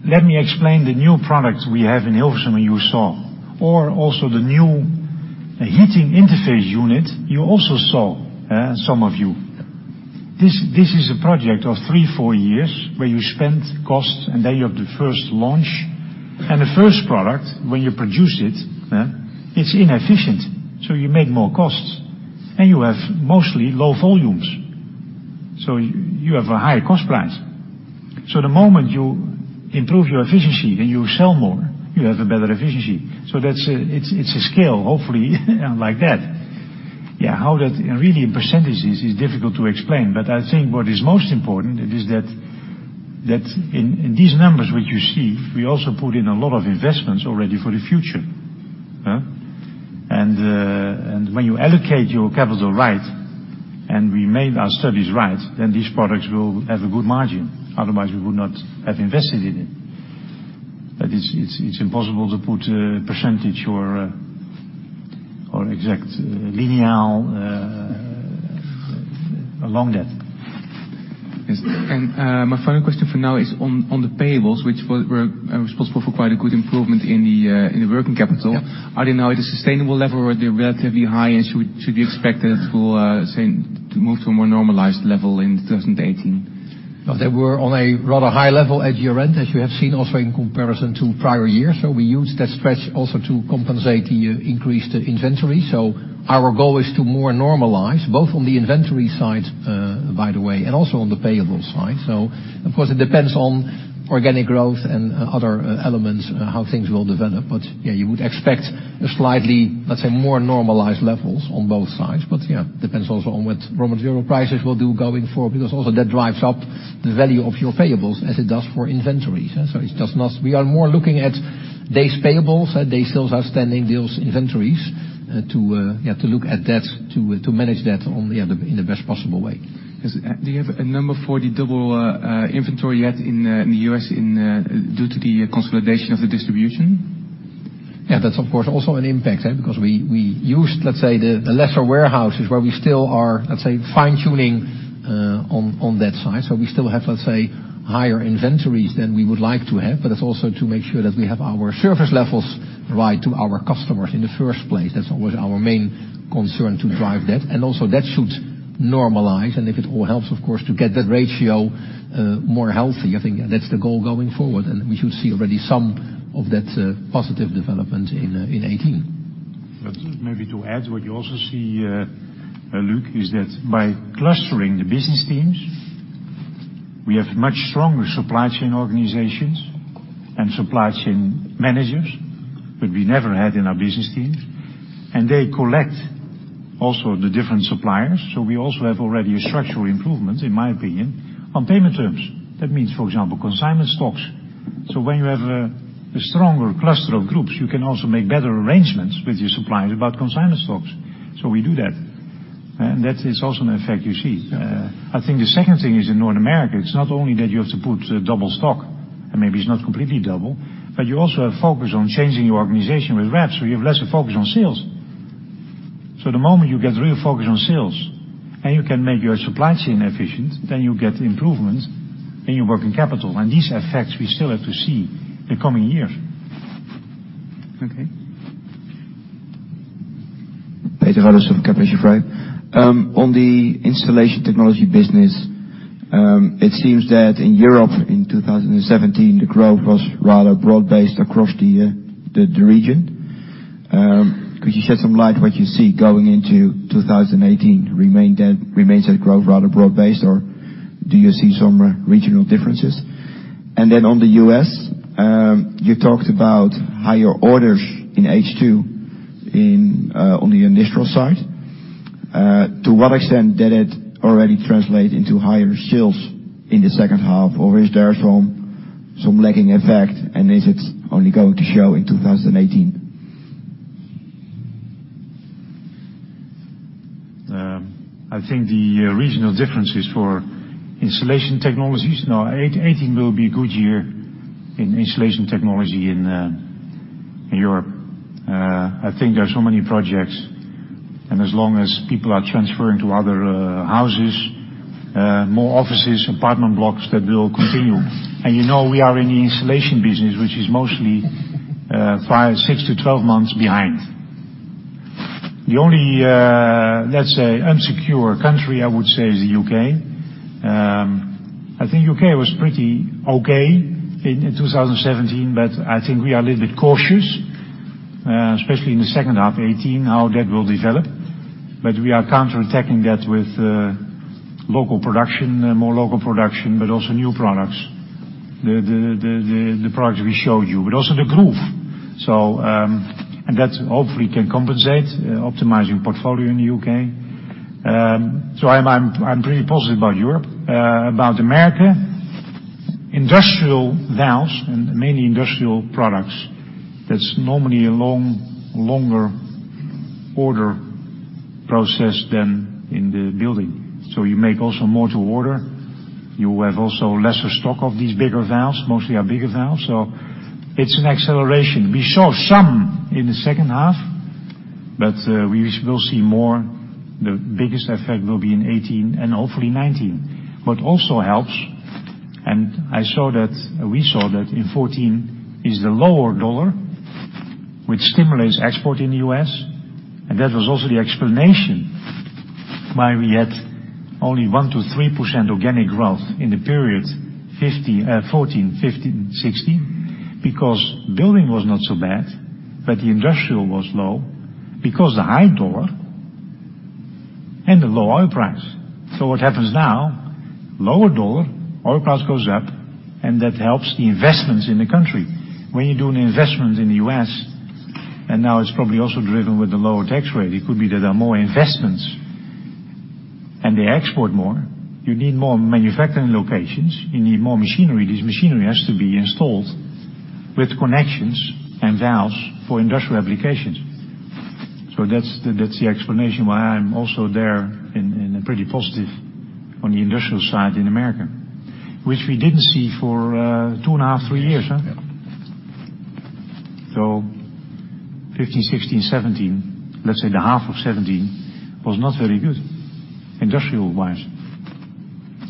Let me explain the new products we have in Hilversum you saw, or also the new heating interface unit you also saw, some of you. This is a project of three, four years, where you spend costs. Then you have the first launch. The first product, when you produce it's inefficient, so you make more costs. You have mostly low volumes, so you have a higher cost price. The moment you improve your efficiency, then you sell more, you have a better efficiency. It's a scale, hopefully like that. How that really in percentages is difficult to explain, I think what is most important it is that in these numbers which you see, we also put in a lot of investments already for the future. When you allocate your capital right, and we made our studies right, then these products will have a good margin. Otherwise, we would not have invested in it. It's impossible to put a percentage or exact lineal along that. Yes. My final question for now is on the payables, which were responsible for quite a good improvement in the working capital. Yeah. Are they now at a sustainable level or they're relatively high and should be expected to move to a more normalized level in 2018? No, they were on a rather high level at year-end, as you have seen also in comparison to prior years. We used that stretch also to compensate the increased inventory. Our goal is to more normalize, both on the inventory side, by the way, and also on the payables side. Of course, it depends on organic growth and other elements, how things will develop. But you would expect a slightly, let's say, more normalized levels on both sides. But depends also on what raw material prices will do going forward, because also that drives up the value of your payables as it does for inventories. We are more looking at days payables, days sales outstanding, days inventories, to look at that, to manage that in the best possible way. Do you have a number for the double inventory yet in the U.S. due to the consolidation of the distribution? That's of course also an impact because we used the lesser warehouses where we still are fine-tuning on that side. We still have higher inventories than we would like to have, but it's also to make sure that we have our service levels right to our customers in the first place. That's always our main concern to drive that. Also that should normalize. If it all helps, of course, to get that ratio more healthy, I think that's the goal going forward, and we should see already some of that positive development in 2018. Maybe to add what you also see, Luuk, is that by clustering the business teams, we have much stronger supply chain organizations and supply chain managers that we never had in our business teams, and they collect also the different suppliers. We also have already a structural improvement, in my opinion, on payment terms. That means, for example, consignment stocks. When you have a stronger cluster of groups, you can also make better arrangements with your suppliers about consignment stocks. We do that, and that is also an effect you see. I think the second thing is in North America, it's not only that you have to put double stock, and maybe it's not completely double, but you also have focus on changing your organization with reps, so you have lesser focus on sales. The moment you get real focus on sales and you can make your supply chain efficient, then you get improvement in your working capital. These effects we still have to see in the coming year. Okay. Peter Radder of Kepler Cheuvreux. On the Installation Technology business, it seems that in Europe in 2017, the growth was rather broad-based across the region. Could you shed some light what you see going into 2018? Remains that growth rather broad-based, or do you see some regional differences? Then on the U.S., you talked about higher orders in H2 on the installation side. To what extent did it already translate into higher sales in the second half? Or is there some lagging effect, and is it only going to show in 2018? I think the regional differences for installation technologies. 2018 will be a good year in installation technology in Europe. I think there are so many projects. As long as people are transferring to other houses, more offices, apartment blocks, that will continue. You know, we are in the installation business, which is mostly 6 to 12 months behind. The only unsecure country, I would say, is the U.K. I think the U.K. was pretty okay in 2017, but I think we are a little bit cautious, especially in the second half 2018, how that will develop. We are counterattacking that with more local production, but also new products. The products we showed you, but also the groove. That hopefully can compensate, optimizing portfolio in the U.K. I'm pretty positive about Europe. About America, industrial valves and many industrial products, that's normally a longer order process than in the building. You make also more to order. You have also lesser stock of these bigger valves, mostly are bigger valves. It's an acceleration. We saw some in the second half, but we still see more. The biggest effect will be in 2018 and hopefully 2019. What also helps, and we saw that in 2014, is the lower dollar, which stimulates export in the U.S. That was also the explanation why we had only 1%-3% organic growth in the period 2014, 2015, 2016, because building was not so bad, but the industrial was low because the high dollar and the low oil price. What happens now, lower dollar, oil price goes up, and that helps the investments in the country. When you do an investment in the U.S., now it's probably also driven with the lower tax rate, it could be that there are more investments and they export more. You need more manufacturing locations. You need more machinery. This machinery has to be installed with connections and valves for industrial applications. That's the explanation why I'm also there and pretty positive on the industrial side in America, which we didn't see for two and a half, three years. Yeah. 2015, 2016, 2017, let's say the half of 2017 was not very good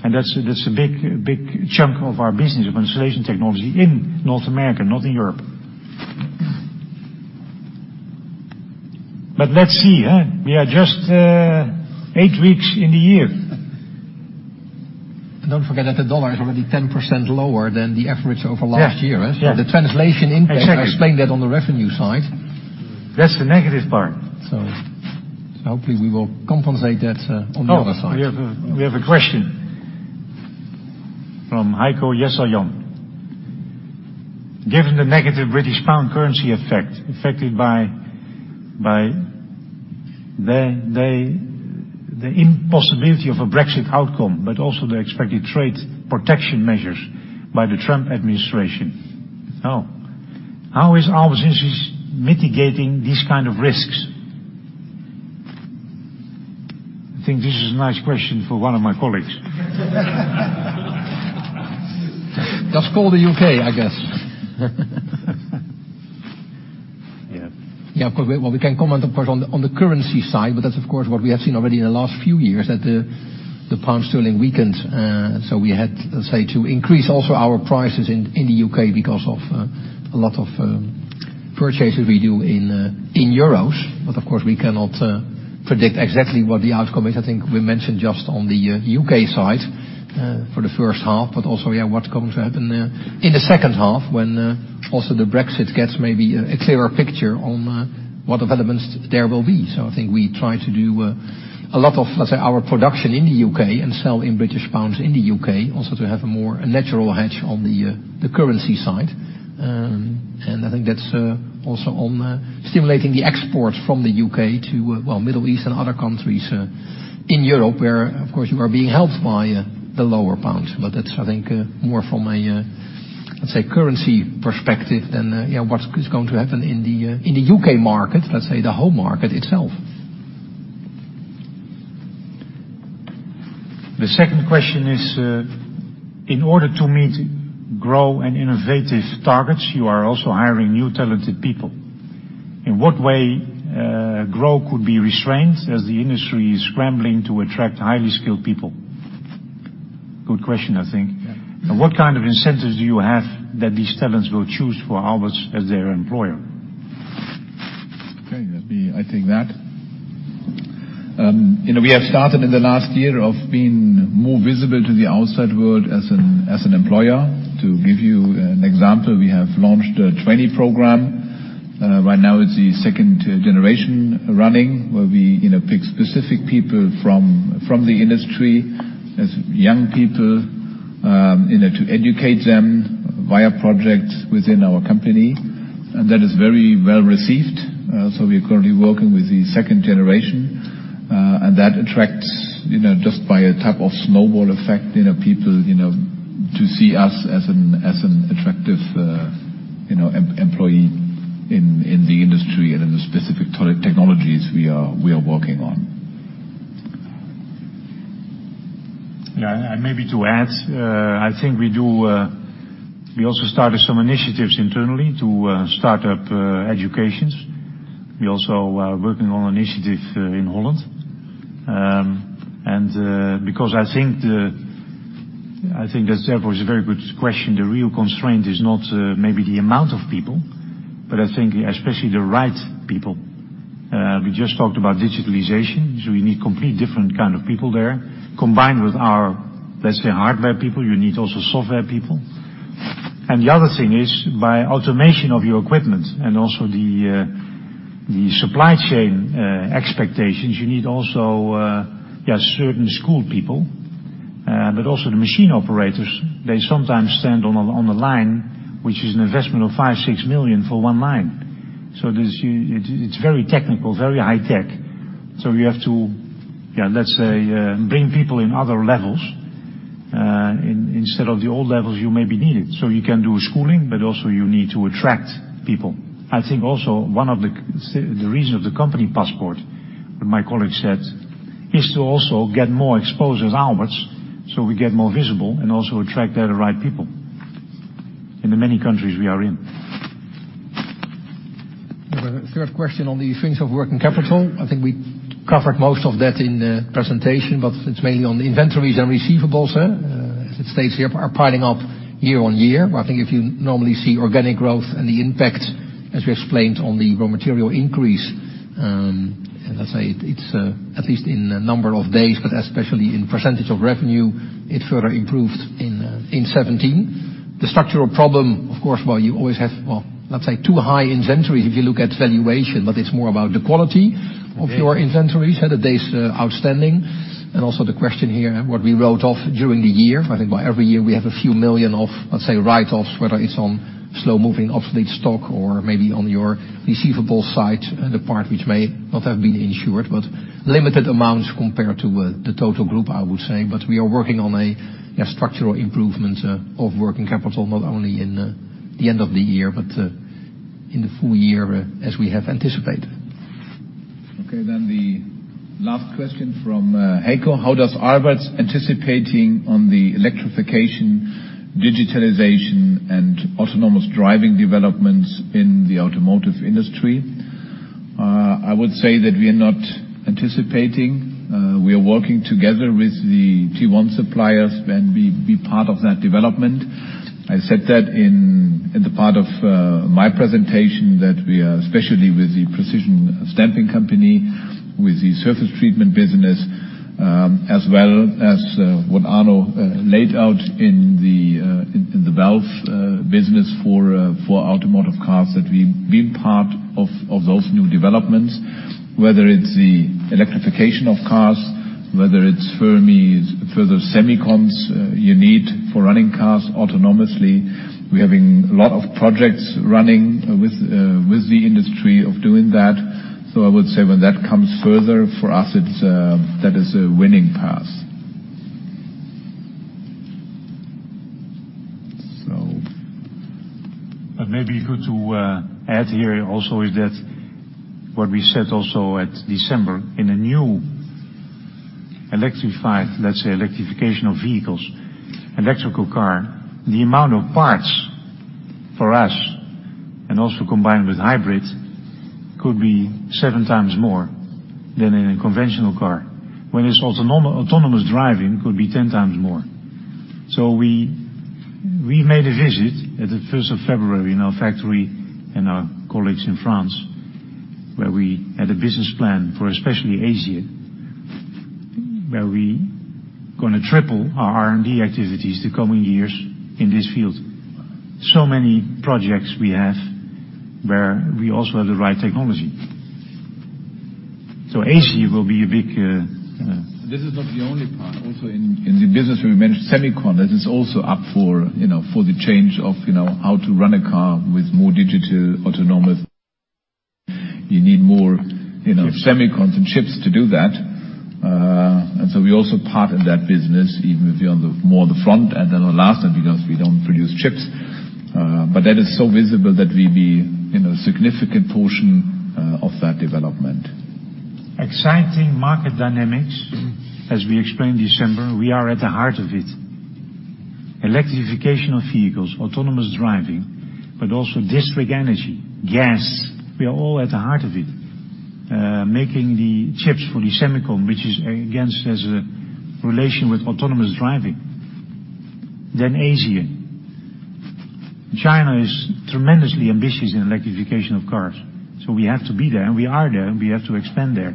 industrial-wise. That's a big chunk of our business of installation technology in North America, not in Europe. Let's see. We are just eight weeks in the year. Don't forget that the U.S. dollar is already 10% lower than the average over last year. Yeah. The translation impact- Exactly I explained that on the revenue side. That's the negative part. hopefully we will compensate that on the other side. Oh, we have a question from [Haiko Jesajong]. Given the negative British pound currency effect affected by the impossibility of a Brexit outcome, but also the expected trade protection measures by the Trump administration. Oh. How is Aalberts Industries mitigating these kind of risks? I think this is a nice question for one of my colleagues. Just for the U.K., I guess. Yeah. Yeah. We can comment, of course, on the currency side, that's of course what we have seen already in the last few years, that the pound sterling weakened. We had, let's say, to increase also our prices in the U.K. because of a lot of purchases we do in euros. Of course, we cannot predict exactly what the outcome is. I think we mentioned just on the U.K. side for the first half, but also, yeah, what's going to happen in the second half when also the Brexit gets maybe a clearer picture on what developments there will be. I think we try to do a lot of, let's say, our production in the U.K. and sell in British pounds in the U.K., also to have a more natural hedge on the currency side. I think that's also on stimulating the exports from the U.K. to, Middle East and other countries in Europe, where of course you are being helped by the lower pound. That's, I think, more from a, let's say, currency perspective than what's going to happen in the U.K. market, let's say the whole market itself. The second question is, in order to meet growth and innovative targets, you are also hiring new talented people. In what way growth could be restrained as the industry is scrambling to attract highly skilled people? Good question, I think. Yeah. What kind of incentives do you have that these talents will choose for Aalberts as their employer? Okay, let me take that. We have started in the last year of being more visible to the outside world as an employer. To give you an example, we have launched a trainee program. Right now it's the second generation running, where we pick specific people from the industry as young people, to educate them via projects within our company. That is very well received. We are currently working with the second generation. That attracts, just by a type of snowball effect, people to see us as an attractive employee in the industry and in the specific technologies we are working on. Yeah. Maybe to add, I think we also started some initiatives internally to start up educations. We're also working on an initiative in Holland. Because I think that therefore is a very good question. The real constraint is not maybe the amount of people, but I think especially the right people. We just talked about digitalization, we need complete different kind of people there. Combined with our, let's say, hardware people, you need also software people. The other thing is, by automation of your equipment and also the supply chain expectations, you need also certain skilled people. Also the machine operators, they sometimes stand on the line, which is an investment of 5 million-6 million for one line. It's very technical, very high tech. You have to, let's say, bring people in other levels instead of the old levels you maybe needed. You can do schooling, but also you need to attract people. I think also one of the reasons the company passport, my colleague said, is to also get more exposed as Aalberts, we get more visible and also attract there the right people in the many countries we are in. We have a third question on the use of working capital. I think we covered most of that in the presentation, it's mainly on the inventories and receivables, as it states here, are piling up year-over-year. I think if you normally see organic growth and the impact, as we explained on the raw material increase, let's say it's at least in number of days, especially in % of revenue, it further improved in 2017. The structural problem, of course, while you always have, let's say, too high inventories if you look at valuation, it's more about the quality of your inventories, the days outstanding. Also the question here, what we wrote off during the year. I think every year we have a few million EUR of, let's say, write-offs, whether it's on slow-moving obsolete stock or maybe on your receivable side, the part which may not have been insured, limited amounts compared to the total group, I would say. We are working on a structural improvement of working capital, not only in the end of the year, but in the full year as we have anticipated. Okay, the last question from Haiko. "How does Aalberts anticipating on the electrification, digitalization, and autonomous driving developments in the automotive industry?" I would say that we are not anticipating. We are working together with the Tier 1 suppliers and be part of that development. I said that in the part of my presentation, that we are, especially with the precision stamping company, with the surface treatment business, as well as what Arno laid out in the valve business for automotive cars, that we have been part of those new developments, whether it is the electrification of cars, whether it is further semiconductors you need for running cars autonomously. We are having a lot of projects running with the industry of doing that. I would say when that comes further, for us, that is a winning path. Maybe good to add here also is that what we said also at December, in a new electrified, let us say electrification of vehicles, electrical car, the amount of parts for us and also combined with hybrid, could be seven times more than in a conventional car. When it is autonomous driving, could be 10 times more. We made a visit at the 1st of February in our factory and our colleagues in France, where we had a business plan for especially Asia, where we are going to triple our R&D activities the coming years in this field. Many projects we have where we also have the right technology. Asia will be a big- This is not the only part. Also in the business we manage semicon, that is also up for the change of how to run a car with more digital, autonomous. You need more- Yes We also part in that business, even if we are more the front and then the last, because we do not produce chips. That is so visible that we be in a significant portion of that development. Exciting market dynamics. As we explained December, we are at the heart of it. Electrification of vehicles, autonomous driving, but also district energy, gas. We are all at the heart of it. Making the chips for the semicon, which is, again, has a relation with autonomous driving. Asia. China is tremendously ambitious in electrification of cars, we have to be there, and we are there, and we have to expand there.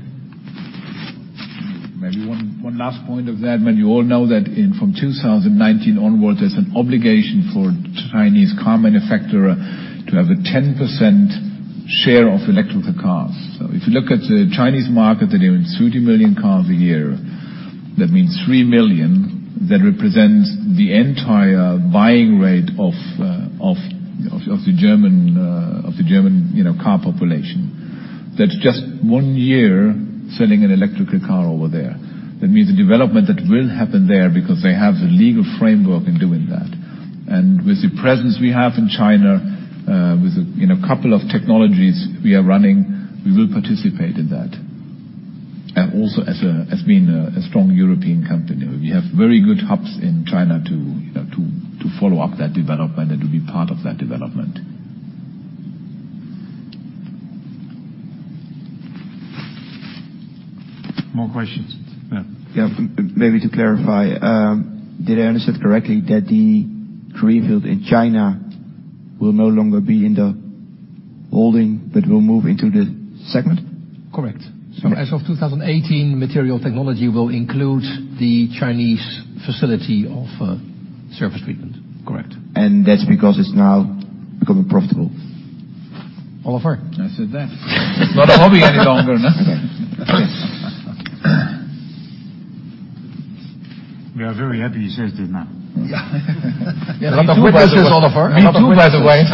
Maybe one last point of that. You all know that from 2019 onwards, there's an obligation for Chinese car manufacturer to have a 10% share of electrical cars. If you look at the Chinese market, they're doing 30 million cars a year. That means 3 million that represents the entire buying rate of the German car population. That's just 1 year selling an electrical car over there. That means the development that will happen there because they have the legal framework in doing that. With the presence we have in China, with a couple of technologies we are running, we will participate in that. Also as being a strong European company. We have very good hubs in China to follow up that development and to be part of that development. More questions? Yeah. Yeah. Maybe to clarify, did I understand correctly that the greenfield in China will no longer be in the holding, but will move into the segment? Correct. Okay. As of 2018, Material Technology will include the Chinese facility of surface treatment. Correct. That's because it's now becoming profitable? Oliver? I said that. Not a hobby any longer, no. Okay. We are very happy he says that now. Yeah. Good business, Oliver. Me too, by the way.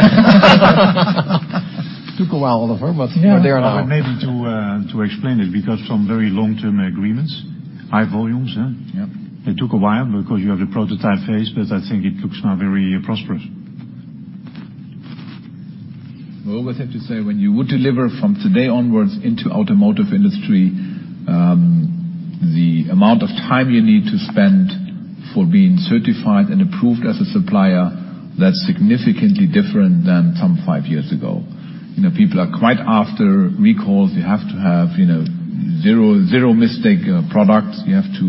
Took a while, Oliver, but we're there now. Maybe to explain it, because some very long-term agreements, high volumes, huh? Yep. It took a while because you have the prototype phase, but I think it looks now very prosperous. Well, always have to say, when you would deliver from today onwards into the automotive industry, the amount of time you need to spend for being certified and approved as a supplier, that's significantly different than some five years ago. People are quite after recalls. You have to have zero mistake products. You have to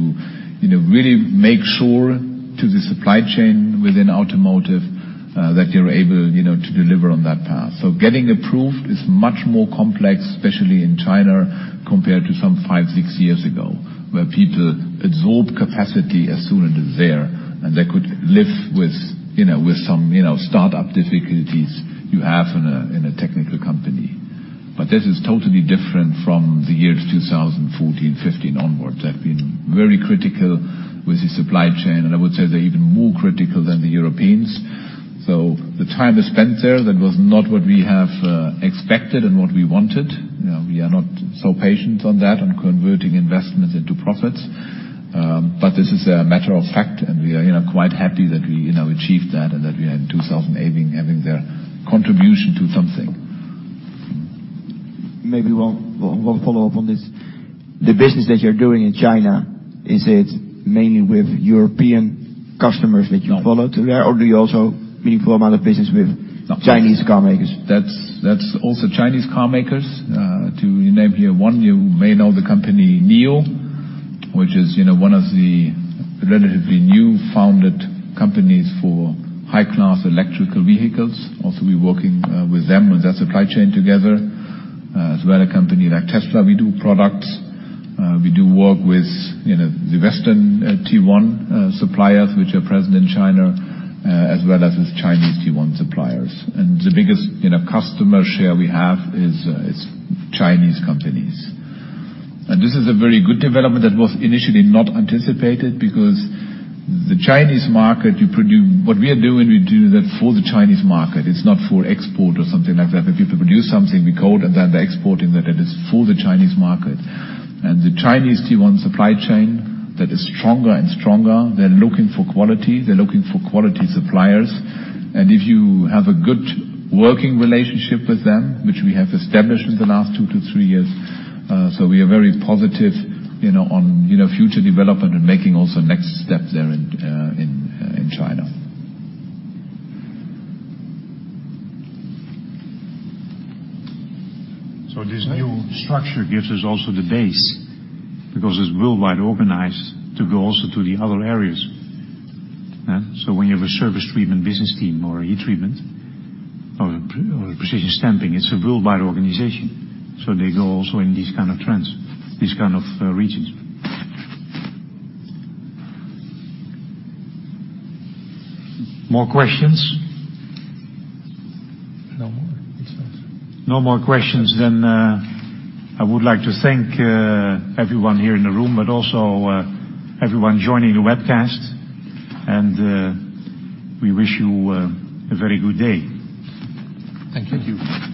really make sure to the supply chain within automotive, that you're able to deliver on that path. Getting approved is much more complex, especially in China, compared to some five, six years ago, where people absorb capacity as soon as it's there, and they could live with some startup difficulties you have in a technical company. This is totally different from the years 2014, 2015 onwards. They've been very critical with the supply chain, and I would say they're even more critical than the Europeans. The time is spent there. That was not what we have expected and what we wanted. We are not so patient on that, on converting investments into profits. This is a matter of fact, and we are quite happy that we achieved that and that we had 2018 having their contribution to something. Maybe one follow-up on this. The business that you're doing in China, is it mainly with European customers that you follow to there? No. Do you also meaningful amount of business with Chinese car makers? That's also Chinese car makers. To name here one, you may know the company NIO, which is one of the relatively new founded companies for high-class electrical vehicles. Also, we working with them on their supply chain together. As well a company like Tesla, we do products. We do work with the Western Tier 1 suppliers, which are present in China, as well as with Chinese Tier 1 suppliers. The biggest customer share we have is Chinese companies. This is a very good development that was initially not anticipated because the Chinese market, you produce. What we are doing, we do that for the Chinese market. It's not for export or something like that you produce something, we coat and then they're exporting that. It is for the Chinese market. The Chinese Tier 1 supply chain, that is stronger and stronger. They're looking for quality, they're looking for quality suppliers. If you have a good working relationship with them, which we have established in the last two to three years, we are very positive on future development and making also next steps there in China. This new structure gives us also the base, because it's worldwide organized, to go also to the other areas. When you have a surface treatment business team or a heat treatment or a precision stamping, it's a worldwide organization. They go also in these kind of trends, these kind of regions. More questions? No more it seems. No more questions. I would like to thank everyone here in the room, but also everyone joining the webcast. We wish you a very good day. Thank you. Thank you. Thank you.